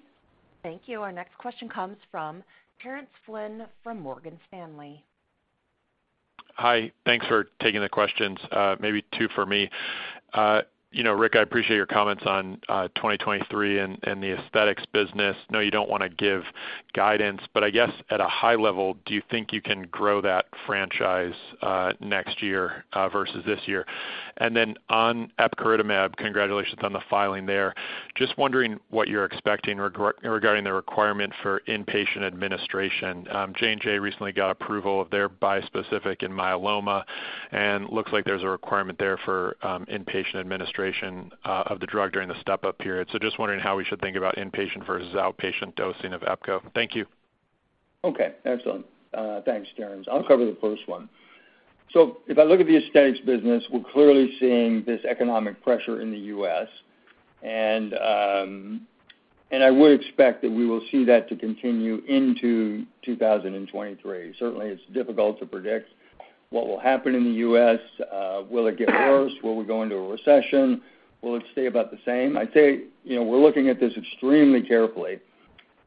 Thank you. Our next question comes from Terence Flynn from Morgan Stanley. Hi. Thanks for taking the questions, maybe two for me. You know, Rick, I appreciate your comments on 2023 and the aesthetics business. You know you don't wanna give guidance, but I guess at a high level, do you think you can grow that franchise next year versus this year? Then on epcoritamab, congratulations on the filing there. Just wondering what you're expecting regarding the requirement for inpatient administration. J&J recently got approval of their bispecific in myeloma, and looks like there's a requirement there for inpatient administration of the drug during the step-up period. Just wondering how we should think about inpatient versus outpatient dosing of Epco. Thank you. Okay, excellent. Thanks, Terrence. I'll cover the first one. If I look at the aesthetics business, we're clearly seeing this economic pressure in the U.S. I would expect that we will see that to continue into 2023. Certainly it's difficult to predict what will happen in the U.S. Will it get worse? Will we go into a recession? Will it stay about the same? I'd say, you know, we're looking at this extremely carefully.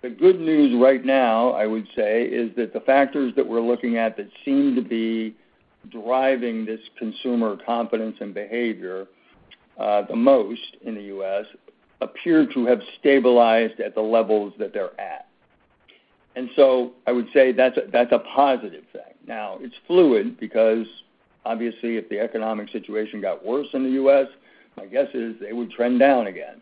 The good news right now, I would say, is that the factors that we're looking at that seem to be driving this consumer confidence and behavior, the most in the U.S. appear to have stabilized at the levels that they're at. I would say that's a positive thing. Now, it's fluid because obviously if the economic situation got worse in the U.S., my guess is it would trend down again.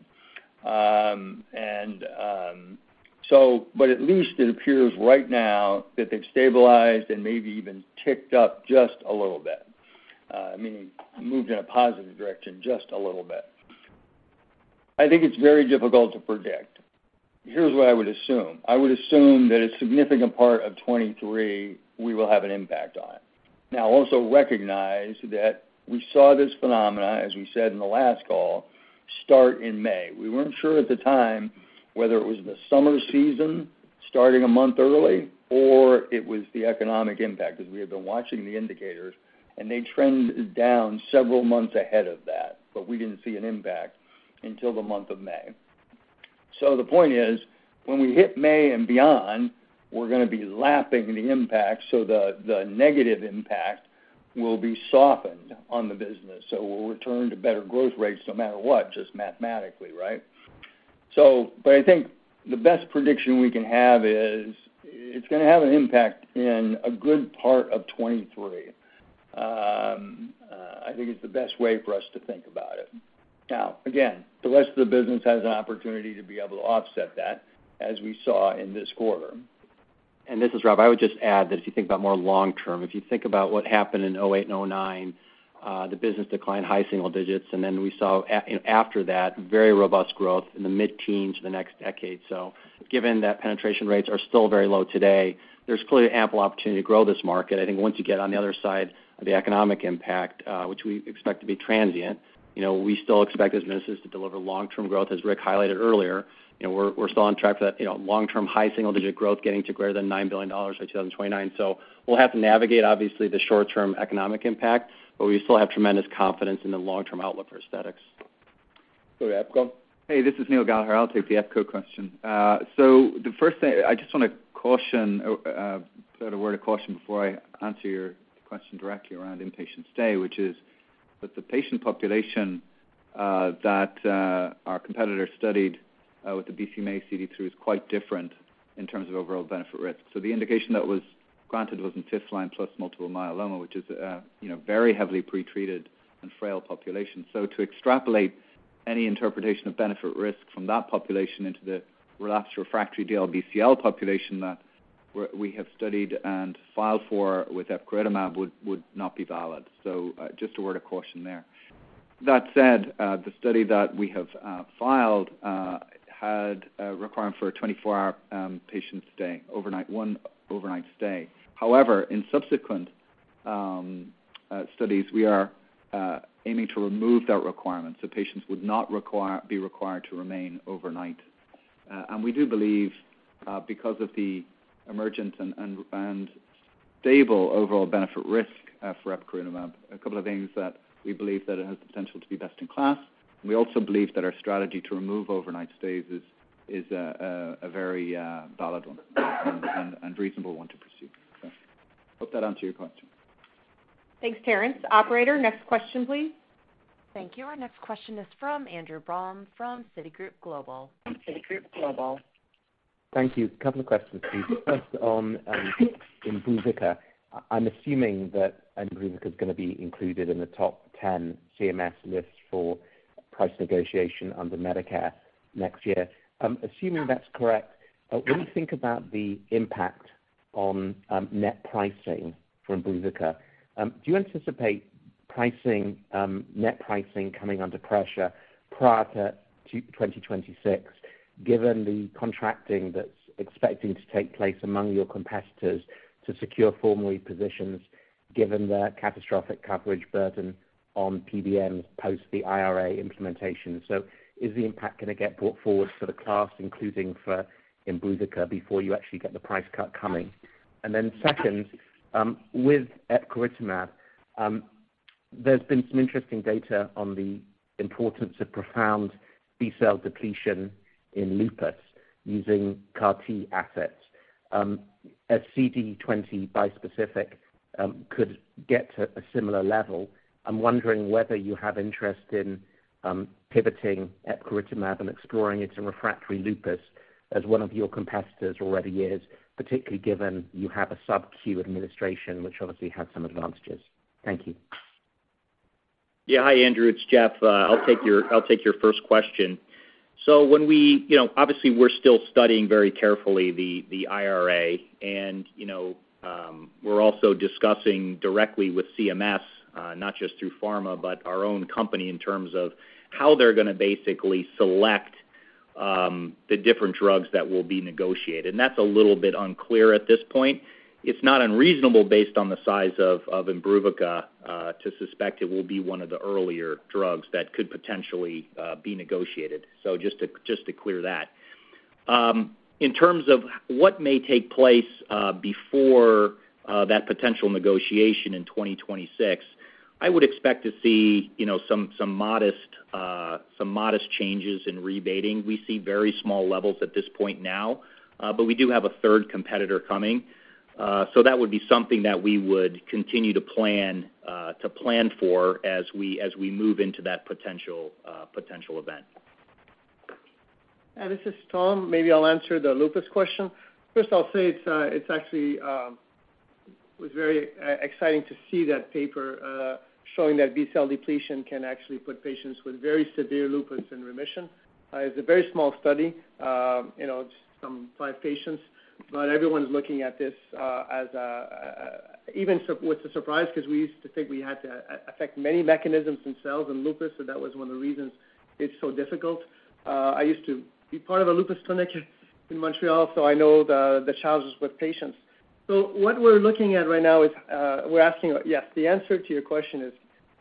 At least it appears right now that they've stabilized and maybe even ticked up just a little bit, meaning moved in a positive direction just a little bit. I think it's very difficult to predict. Here's what I would assume. I would assume that a significant part of 2023 we will have an impact on. Now also recognize that we saw this phenomenon, as we said in the last call, start in May. We weren't sure at the time whether it was the summer season starting a month early or it was the economic impact, because we had been watching the indicators and they trended down several months ahead of that, but we didn't see an impact until the month of May. The point is, when we hit May and beyond, we're gonna be lapping the impact so the negative impact will be softened on the business, so we'll return to better growth rates no matter what, just mathematically, right? But I think the best prediction we can have is it's gonna have an impact in a good part of 2023. I think it's the best way for us to think about it. Now again, the rest of the business has an opportunity to be able to offset that, as we saw in this quarter. This is Rob. I would just add that if you think about more long-term, if you think about what happened in 2008 and 2009, the business declined high single digits, and then we saw after that very robust growth in the mid-teens the next decade. Given that penetration rates are still very low today, there's clearly ample opportunity to grow this market. I think once you get on the other side of the economic impact, which we expect to be transient, you know, we still expect this business to deliver long-term growth, as Rick highlighted earlier. You know, we're still on track for that, you know, long-term high single-digit growth getting to greater than $9 billion by 2029. We'll have to navigate obviously the short-term economic impact, but we still have tremendous confidence in the long-term outlook for aesthetics. Go to epcoritamab. Hey, this is Neil Gallagher. I'll take the epcoritamab question. So the first thing, I just wanna caution, put out a word of caution before I answer your question directly around inpatient stay, but the patient population that our competitor studied with the BCMA/CD3 is quite different in terms of overall benefit risk. The indication that was granted was in fifth line plus multiple myeloma, which is, you know, very heavily pretreated and frail population. To extrapolate any interpretation of benefit risk from that population into the relapsed refractory DLBCL population that we have studied and filed for with epcoritamab would not be valid. Just a word of caution there. That said, the study that we have filed had a requirement for a 24-hour patient stay overnight, one overnight stay. However, in subsequent studies, we are aiming to remove that requirement so patients would not be required to remain overnight. We do believe, because of the emergent and stable overall benefit risk, for epcoritamab, a couple of things that we believe that it has the potential to be best in class. We also believe that our strategy to remove overnight stays is a very valid one and reasonable one to pursue. Hope that answers your question. Thanks, Terence. Operator, next question, please. Thank you. Our next question is from Andrew Baum from Citigroup. Thank you. A couple of questions, please. First on IMBRUVICA. I'm assuming that IMBRUVICA is going to be included in the top 10 CMS list for price negotiation under Medicare next year. Assuming that's correct, when you think about the impact on net pricing for IMBRUVICA, do you anticipate net pricing coming under pressure prior to 2026, given the contracting that's expected to take place among your competitors to secure formulary positions, given the catastrophic coverage burden on PBMs post the IRA implementation? Is the impact going to get brought forward for the class, including for IMBRUVICA, before you actually get the price cut coming? Then second, with epcoritamab, there's been some interesting data on the importance of profound B-cell depletion in lupus using CAR-T assets. As CD20 bispecific could get to a similar level, I'm wondering whether you have interest in pivoting epcoritamab and exploring it in refractory lupus as one of your competitors already is, particularly given you have a sub-Q administration, which obviously has some advantages. Thank you. Yeah. Hi, Andrew. It's Jeff. I'll take your first question. When we know, obviously, we're still studying very carefully the IRA. You know, we're also discussing directly with CMS, not just through pharma, but our own company in terms of how they're going to basically select the different drugs that will be negotiated. That's a little bit unclear at this point. It's not unreasonable based on the size of IMBRUVICA to suspect it will be one of the earlier drugs that could potentially be negotiated. Just to clear that. In terms of what may take place before that potential negotiation in 2026, I would expect to see, you know, some modest changes in rebating. We see very small levels at this point now, but we do have a third competitor coming. That would be something that we would continue to plan for as we move into that potential event. This is Tom. Maybe I'll answer the lupus question. First, I'll say it's actually was very exciting to see that paper showing that B-cell depletion can actually put patients with very severe lupus in remission. It's a very small study, you know, just some five patients, but everyone's looking at this as even with surprise because we used to think we had to affect many mechanisms themselves in lupus. That was one of the reasons it's so difficult. I used to be part of a lupus clinic in Montreal, so I know the challenges with patients. What we're looking at right now is, we're asking, yes, the answer to your question is,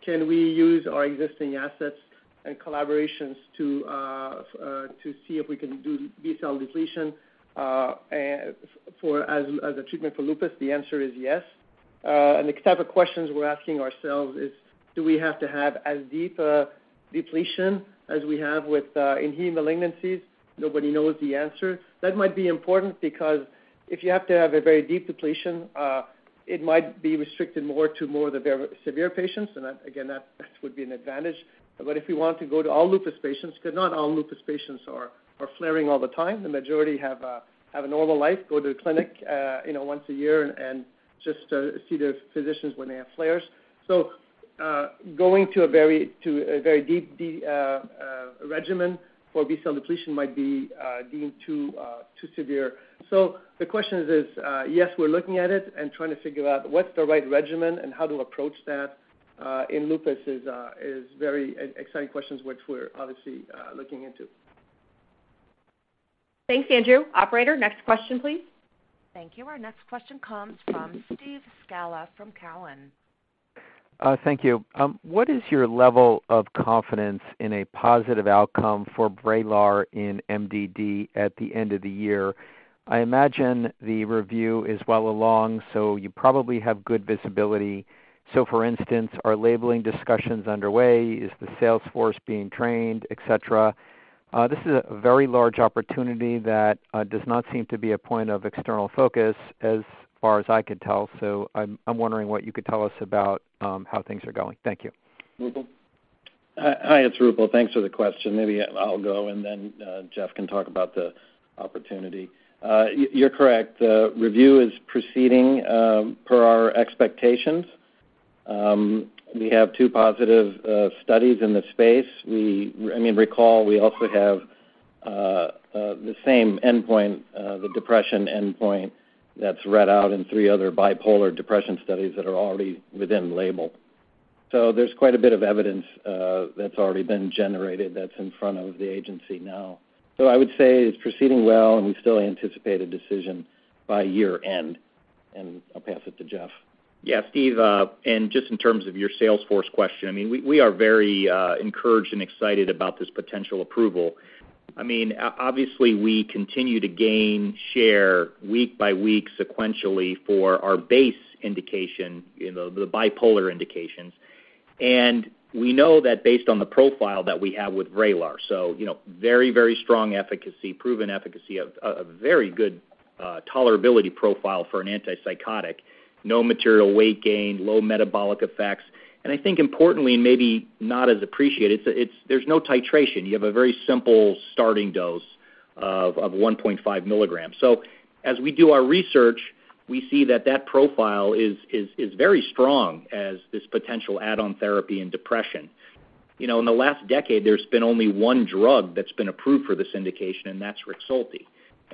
can we use our existing assets and collaborations to see if we can do B-cell depletion as a treatment for lupus? The answer is yes. The type of questions we're asking ourselves is, do we have to have as deep depletion as we have within heme malignancies? Nobody knows the answer. That might be important because if you have to have a very deep depletion, it might be restricted more to the severe patients. Again, that would be an advantage. If you want to go to all lupus patients, because not all lupus patients are flaring all the time. The majority have a normal life, go to the clinic, you know, once a year and just see their physicians when they have flares. Going to a very deep regimen for B-cell depletion might be deemed too severe. The question is, yes, we're looking at it and trying to figure out what's the right regimen and how to approach that in lupus is very exciting questions which we're obviously looking into. Thanks, Andrew. Operator, next question, please. Thank you. Our next question comes from Steve Scala from Cowen. Thank you. What is your level of confidence in a positive outcome for VRAYLAR in MDD at the end of the year? I imagine the review is well along, so you probably have good visibility. For instance, are labeling discussions underway? Is the sales force being trained, et cetera? This is a very large opportunity that does not seem to be a point of external focus as far as I could tell. I'm wondering what you could tell us about how things are going. Thank you. Roopal? Hi, it's Roopal. Thanks for the question. Maybe I'll go, and then Jeff can talk about the opportunity. You're correct. The review is proceeding per our expectations. We have two positive studies in the space. I mean, recall, we also have the same endpoint, the depression endpoint that's read out in three other bipolar depression studies that are already within label. So there's quite a bit of evidence that's already been generated that's in front of the agency now. So I would say it's proceeding well, and we still anticipate a decision by year-end. I'll pass it to Jeff. Yeah, Steve, and just in terms of your sales force question, I mean, we are very encouraged and excited about this potential approval. I mean, obviously, we continue to gain share week by week sequentially for our base indication, you know, the bipolar indications. We know that based on the profile that we have with VRAYLAR, so, you know, very, very strong efficacy, proven efficacy, a very good tolerability profile for an antipsychotic, no material weight gain, low metabolic effects. I think importantly, maybe not as appreciated, there's no titration. You have a very simple starting dose of 1.5 milligrams. As we do our research, we see that that profile is very strong as this potential add-on therapy in depression. You know, in the last decade, there's been only one drug that's been approved for this indication, and that's REXULTI.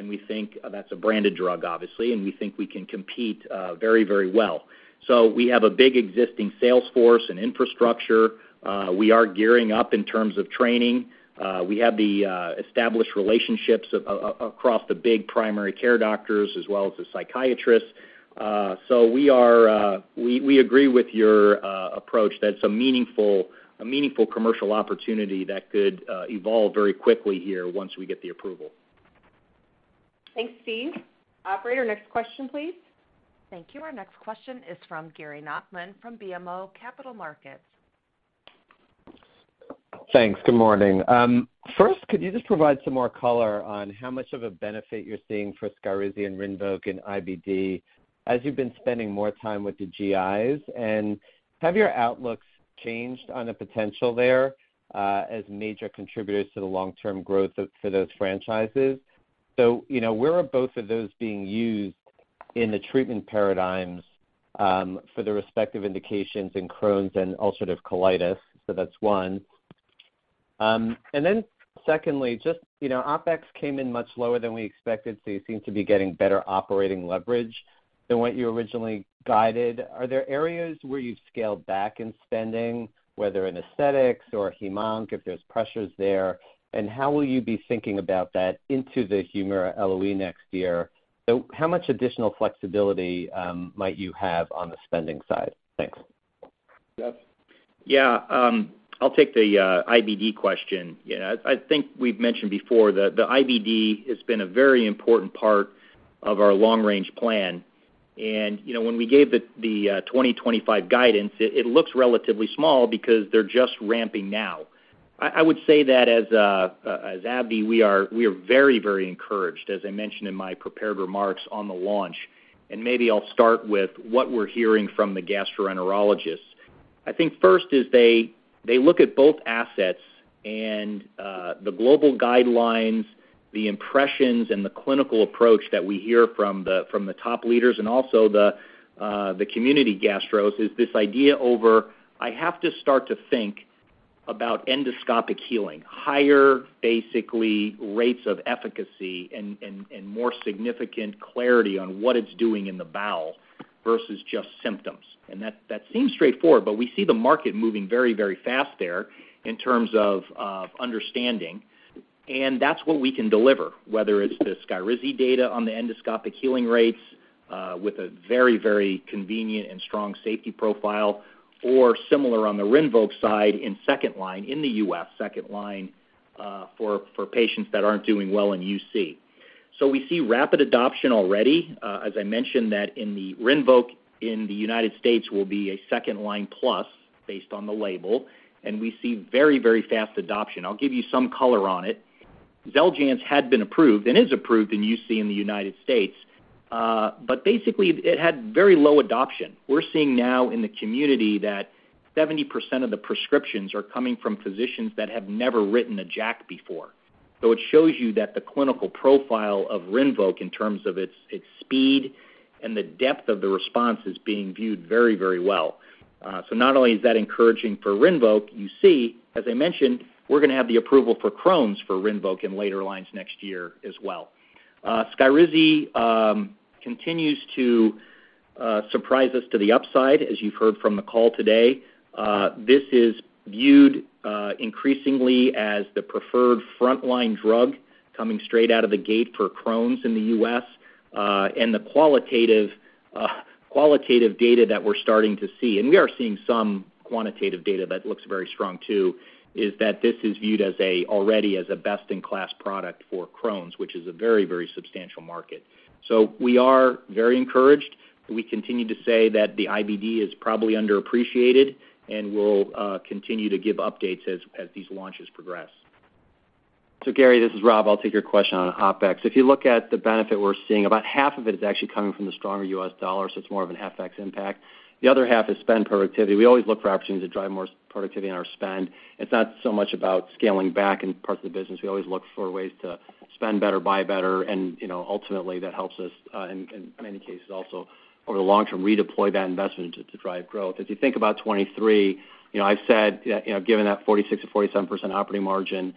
We think that's a branded drug, obviously, and we think we can compete very, very well. We have a big existing sales force and infrastructure. We are gearing up in terms of training. We have the established relationships across the big primary care doctors as well as the psychiatrists. We agree with your approach. That's a meaningful commercial opportunity that could evolve very quickly here once we get the approval. Thanks, Steve. Operator, next question, please. Thank you. Our next question is from Gary Nachman from BMO Capital Markets. Thanks. Good morning. First, could you just provide some more color on how much of a benefit you're seeing for SKYRIZI and RINVOQ in IBD as you've been spending more time with the GIs? And have your outlooks changed on the potential there, as major contributors to the long-term growth of, for those franchises? You know, where are both of those being used in the treatment paradigms, for the respective indications in Crohn's and ulcerative colitis? That's one. Then secondly, just, you know, OpEx came in much lower than we expected, so you seem to be getting better operating leverage than what you originally guided. Are there areas where you've scaled back in spending, whether in aesthetics or hem/onc, if there's pressures there? And how will you be thinking about that into the HUMIRA LOE next year? How much additional flexibility might you have on the spending side? Thanks. Jeff? Yeah. I'll take the IBD question. I think we've mentioned before that the IBD has been a very important part of our long range plan. You know, when we gave the 2025 guidance, it looks relatively small because they're just ramping now. I would say that as AbbVie, we are very encouraged, as I mentioned in my prepared remarks on the launch. Maybe I'll start with what we're hearing from the gastroenterologists. I think first is they look at both assets and the global guidelines, the impressions, and the clinical approach that we hear from the top leaders and also the community gastros is this idea of having to start to think about endoscopic healing, higher rates, basically of efficacy and more significant clarity on what it's doing in the bowel versus just symptoms. That seems straightforward, but we see the market moving very, very fast there in terms of understanding. That's what we can deliver, whether it's the SKYRIZI data on the endoscopic healing rates with a very, very convenient and strong safety profile or similar on the RINVOQ side in second-line in the US for patients that aren't doing well in UC. We see rapid adoption already. As I mentioned that in the RINVOQ in the United States will be second-line plus based on the label, and we see very, very fast adoption. I'll give you some color on it. Xeljanz had been approved and is approved in UC in the United States, but basically it had very low adoption. We're seeing now in the community that 70% of the prescriptions are coming from physicians that have never written a JAK before. It shows you that the clinical profile of RINVOQ in terms of its speed and the depth of the response is being viewed very, very well. Not only is that encouraging for RINVOQ, you see, as I mentioned, we're gonna have the approval for Crohn's for RINVOQ in later lines next year as well. SKYRIZI continues to surprise us to the upside, as you've heard from the call today. This is viewed increasingly as the preferred frontline drug coming straight out of the gate for Crohn's in the U.S. The qualitative data that we're starting to see, and we are seeing some quantitative data that looks very strong too, is that this is viewed already as a best-in-class product for Crohn's, which is a very substantial market. We are very encouraged. We continue to say that the IBD is probably underappreciated, and we'll continue to give updates as these launches progress. Gary, this is Rob, I'll take your question on OpEx. If you look at the benefit we're seeing, about half of it is actually coming from the stronger US dollar, so it's more of an FX impact. The other half is spend productivity. We always look for opportunities to drive more productivity in our spend. It's not so much about scaling back in parts of the business. We always look for ways to spend better, buy better, and, you know, ultimately that helps us in many cases also over the long term, redeploy that investment to drive growth. If you think about 2023, you know, I've said, you know, given that 46%-47% operating margin,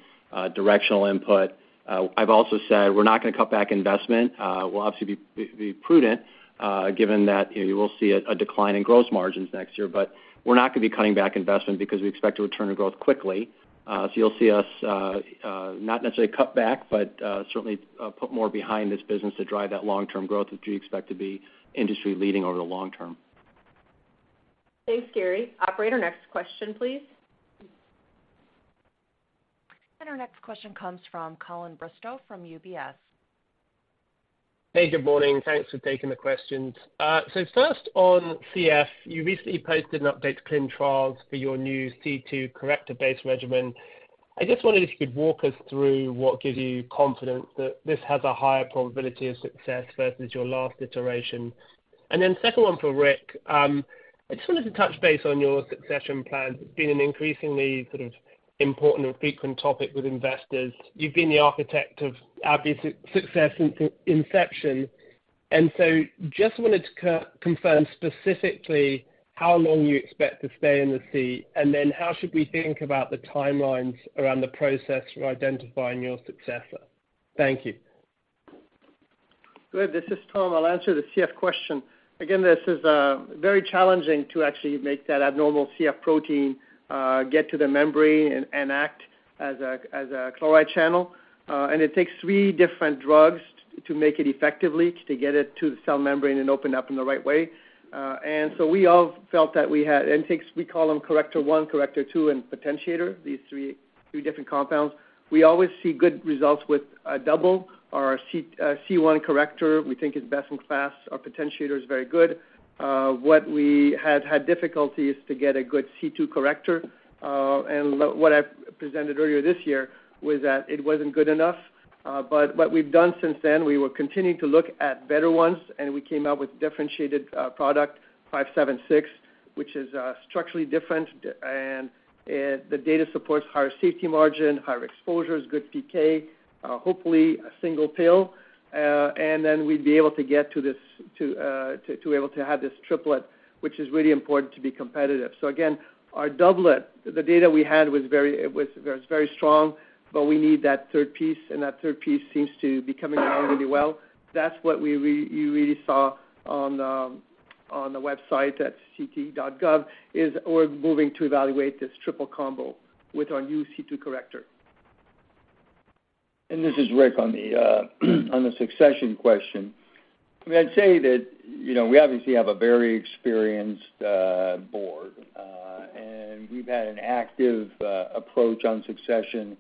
directional input, I've also said we're not gonna cut back investment. We'll obviously be prudent, given that you will see a decline in gross margins next year. We're not gonna be cutting back investment because we expect to return our growth quickly. You'll see us not necessarily cut back, but certainly put more behind this business to drive that long-term growth, which we expect to be industry leading over the long term. Thanks, Gary. Operator, next question, please. Our next question comes from Colin Bristow from UBS. Hey, good morning. Thanks for taking the questions. First on CF, you recently posted an update to ClinicalTrials.gov for your new CF corrector-based regimen. I just wondered if you could walk us through what gives you confidence that this has a higher probability of success versus your last iteration. Second one for Rick. I just wanted to touch base on your succession plan. It's been an increasingly sort of important and frequent topic with investors. You've been the architect of AbbVie's success since inception. Just wanted to confirm specifically how long you expect to stay in the seat, and then how should we think about the timelines around the process for identifying your successor? Thank you. Good. This is Tom. I'll answer the CF question. Again, this is very challenging to actually make that abnormal CF protein get to the membrane and act as a chloride channel. It takes three different drugs to make it effectively to get it to the cell membrane and open up in the right way. We all felt that we had. It takes. We call them corrector one, corrector two, and potentiator, these three different compounds. We always see good results with a double. Our C1 corrector, we think is best in class. Our potentiator is very good. What we had difficulty is to get a good C2 corrector. What I presented earlier this year was that it wasn't good enough. What we've done since then, we were continuing to look at better ones, and we came out with differentiated product 576, which is structurally different, and the data supports higher safety margin, higher exposures, good PK, hopefully a single pill, and then we'd be able to get to this, to be able to have this triplet, which is really important to be competitive. Our doublet, the data we had was very strong, but we need that third piece, and that third piece seems to be coming along really well. That's what you really saw on the website at ClinicalTrials.gov, is we're moving to evaluate this triple combo with our new C2 corrector. This is Rick on the succession question. I mean, I'd say that, you know, we obviously have a very experienced board, and we've had an active approach on succession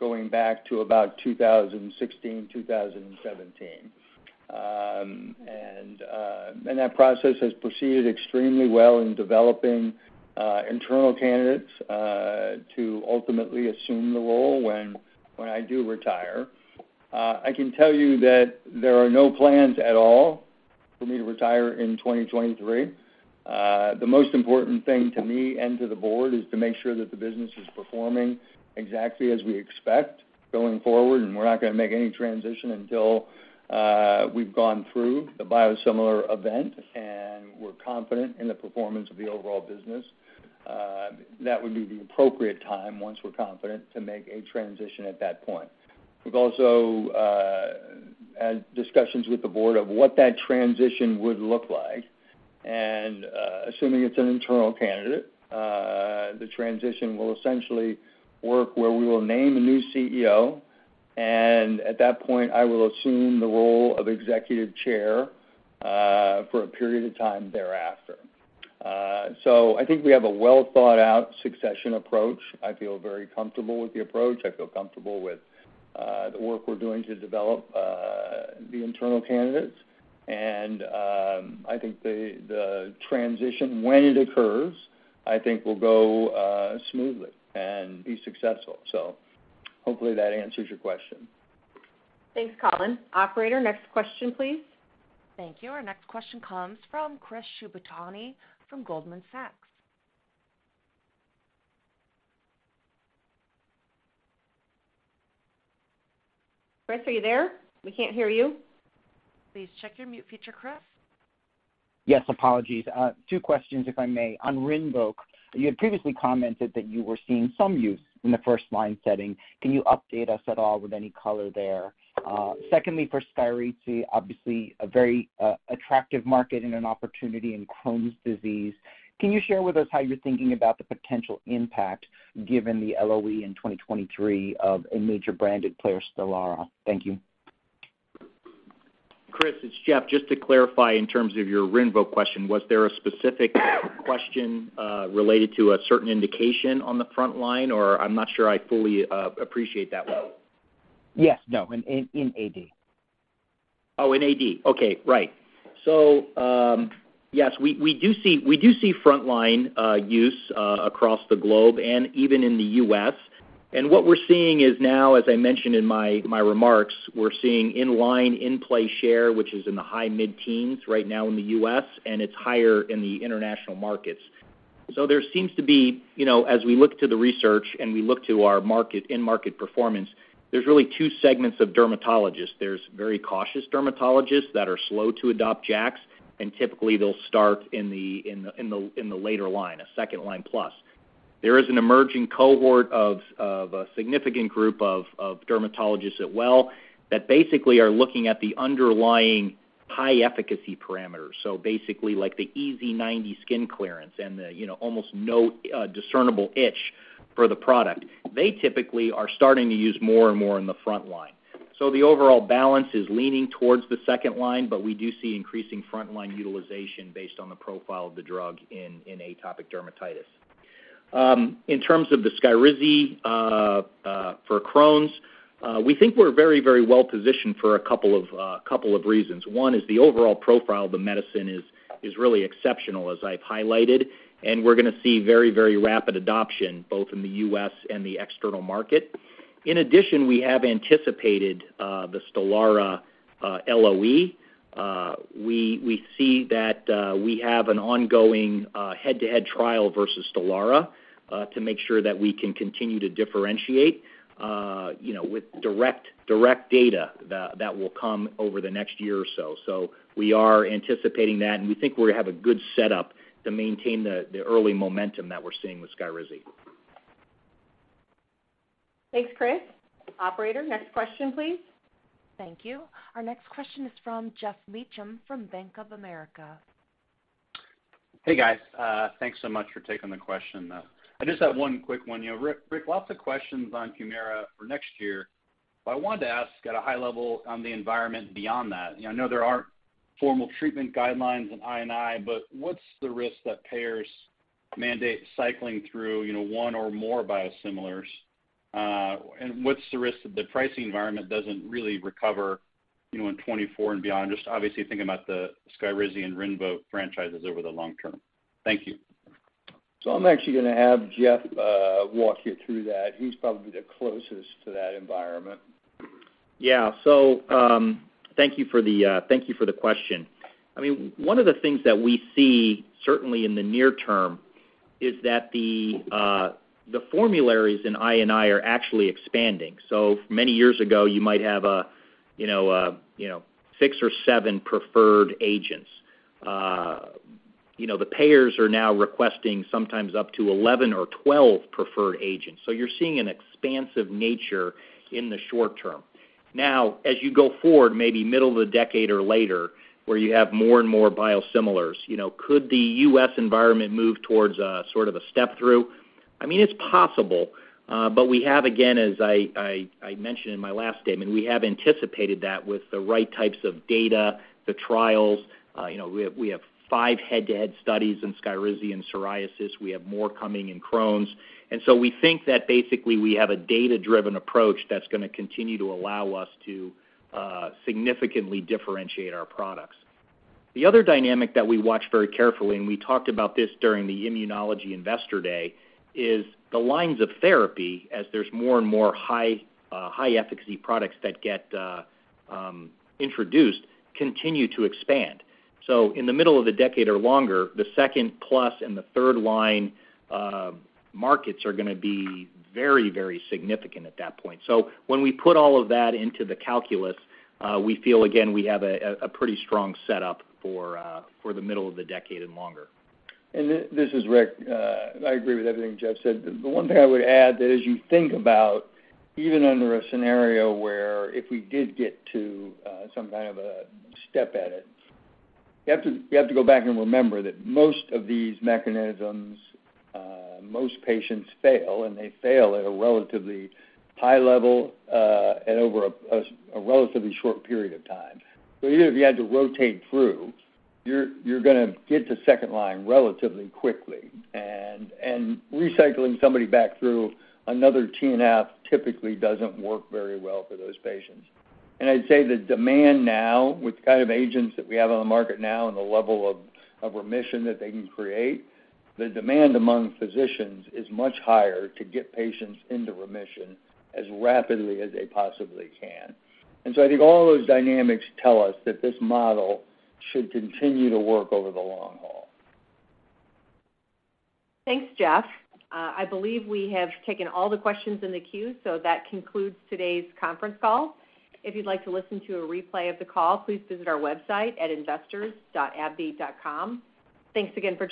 going back to about 2016, 2017. That process has proceeded extremely well in developing internal candidates to ultimately assume the role when I do retire. I can tell you that there are no plans at all for me to retire in 2023. The most important thing to me and to the board is to make sure that the business is performing exactly as we expect going forward, and we're not gonna make any transition until we've gone through the biosimilar event, and we're confident in the performance of the overall business. That would be the appropriate time, once we're confident, to make a transition at that point. We've also had discussions with the board of what that transition would look like. Assuming it's an internal candidate, the transition will essentially work where we will name a new CEO, and at that point, I will assume the role of executive chair, for a period of time thereafter. I think we have a well thought out succession approach. I feel very comfortable with the approach. I feel comfortable with the work we're doing to develop the internal candidates. I think the transition, when it occurs, I think will go smoothly and be successful. Hopefully that answers your question. Thanks, Colin. Operator, next question, please. Thank you. Our next question comes from Chris Shibutani from Goldman Sachs. Chris, are you there? We can't hear you. Please check your mute feature, Chris. Yes, apologies. Two questions, if I may. On RINVOQ, you had previously commented that you were seeing some use in the first-line setting. Can you update us at all with any color there? Secondly, for SKYRIZI, obviously a very attractive market and an opportunity in Crohn's disease. Can you share with us how you're thinking about the potential impact given the LOE in 2023 of a major branded player, Stelara? Thank you. Chris, it's Jeff. Just to clarify in terms of your RINVOQ question, was there a specific question related to a certain indication on the front line, or I'm not sure I fully appreciate that one. Yes. No, in AD. Oh, in AD. Okay. Right. Yes, we do see frontline use across the globe and even in the US. What we're seeing is now, as I mentioned in my remarks, we're seeing in-line, in-play share, which is in the high mid-teens right now in the US, and it's higher in the international markets. There seems to be, you know, as we look to the research and we look to our market, in-market performance, there's really two segments of dermatologists. There's very cautious dermatologists that are slow to adopt JAKs, and typically they'll start in the later line, a second-line plus. There is an emerging cohort of a significant group of dermatologists. Well, that basically are looking at the underlying high efficacy parameters. Basically, like the EASI 90 skin clearance and the, you know, almost no discernible itch for the product. They typically are starting to use more and more in the front line. The overall balance is leaning towards the second-line, but we do see increasing front line utilization based on the profile of the drug in atopic dermatitis. In terms of the SKYRIZI for Crohn's disease, we think we're very, very well positioned for a couple of reasons. One is the overall profile of the medicine is really exceptional, as I've highlighted, and we're gonna see very, very rapid adoption both in the US and the external market. In addition, we have anticipated the Stelara LOE. We see that we have an ongoing head-to-head trial versus Stelara to make sure that we can continue to differentiate, you know, with direct data that will come over the next year or so. We are anticipating that, and we think we have a good setup to maintain the early momentum that we're seeing with SKYRIZI. Thanks, Chris. Operator, next question, please. Thank you. Our next question is from Geoff Meacham from Bank of America. Hey, guys. Thanks so much for taking the question. I just have one quick one. You know, Rick, lots of questions on Humira for next year, but I wanted to ask at a high level on the environment beyond that. You know, I know there aren't formal treatment guidelines in I&I, but what's the risk that payers mandate cycling through, you know, one or more biosimilars? And what's the risk that the pricing environment doesn't really recover, you know, in 2024 and beyond? Just obviously thinking about the Skyrizi and Rinvoq franchises over the long term. Thank you. I'm actually gonna have Jeff walk you through that. He's probably the closest to that environment. Yeah. Thank you for the question. I mean, one of the things that we see certainly in the near term is that the formularies in I&I are actually expanding. Many years ago, you might have a six or seven preferred agents. The payers are now requesting sometimes up to 11 or 12 preferred agents. You're seeing an expansive nature in the short term. Now, as you go forward, maybe middle of the decade or later, where you have more and more biosimilars, could the U.S. environment move towards a sort of a step-through? I mean, it's possible, but we have, again, as I mentioned in my last statement, we have anticipated that with the right types of data, the trials, you know, we have 5 head-to-head studies in SKYRIZI and psoriasis, we have more coming in Crohn's. We think that basically we have a data-driven approach that's gonna continue to allow us to significantly differentiate our products. The other dynamic that we watch very carefully, and we talked about this during the Immunology Strategic Update, is the lines of therapy, as there's more and more high-efficacy products that get introduced, continue to expand. In the middle of the decade or longer, the second- and third-line markets are gonna be very, very significant at that point. When we put all of that into the calculus, we feel again, we have a pretty strong setup for the middle of the decade and longer. This is Rick. I agree with everything Jeff said. The one thing I would add that as you think about even under a scenario where if we did get to some kind of a step edit, you have to go back and remember that most of these mechanisms, most patients fail, and they fail at a relatively high level, at over a relatively short period of time. Even if you had to rotate through, you're gonna get to second-line relatively quickly. Recycling somebody back through another TNF typically doesn't work very well for those patients. I'd say the demand now with the kind of agents that we have on the market now and the level of remission that they can create, the demand among physicians is much higher to get patients into remission as rapidly as they possibly can. I think all those dynamics tell us that this model should continue to work over the long haul. Thanks, Jeff. I believe we have taken all the questions in the queue, so that concludes today's conference call. If you'd like to listen to a replay of the call, please visit our website at investors.abbvie.com. Thanks again for joining us.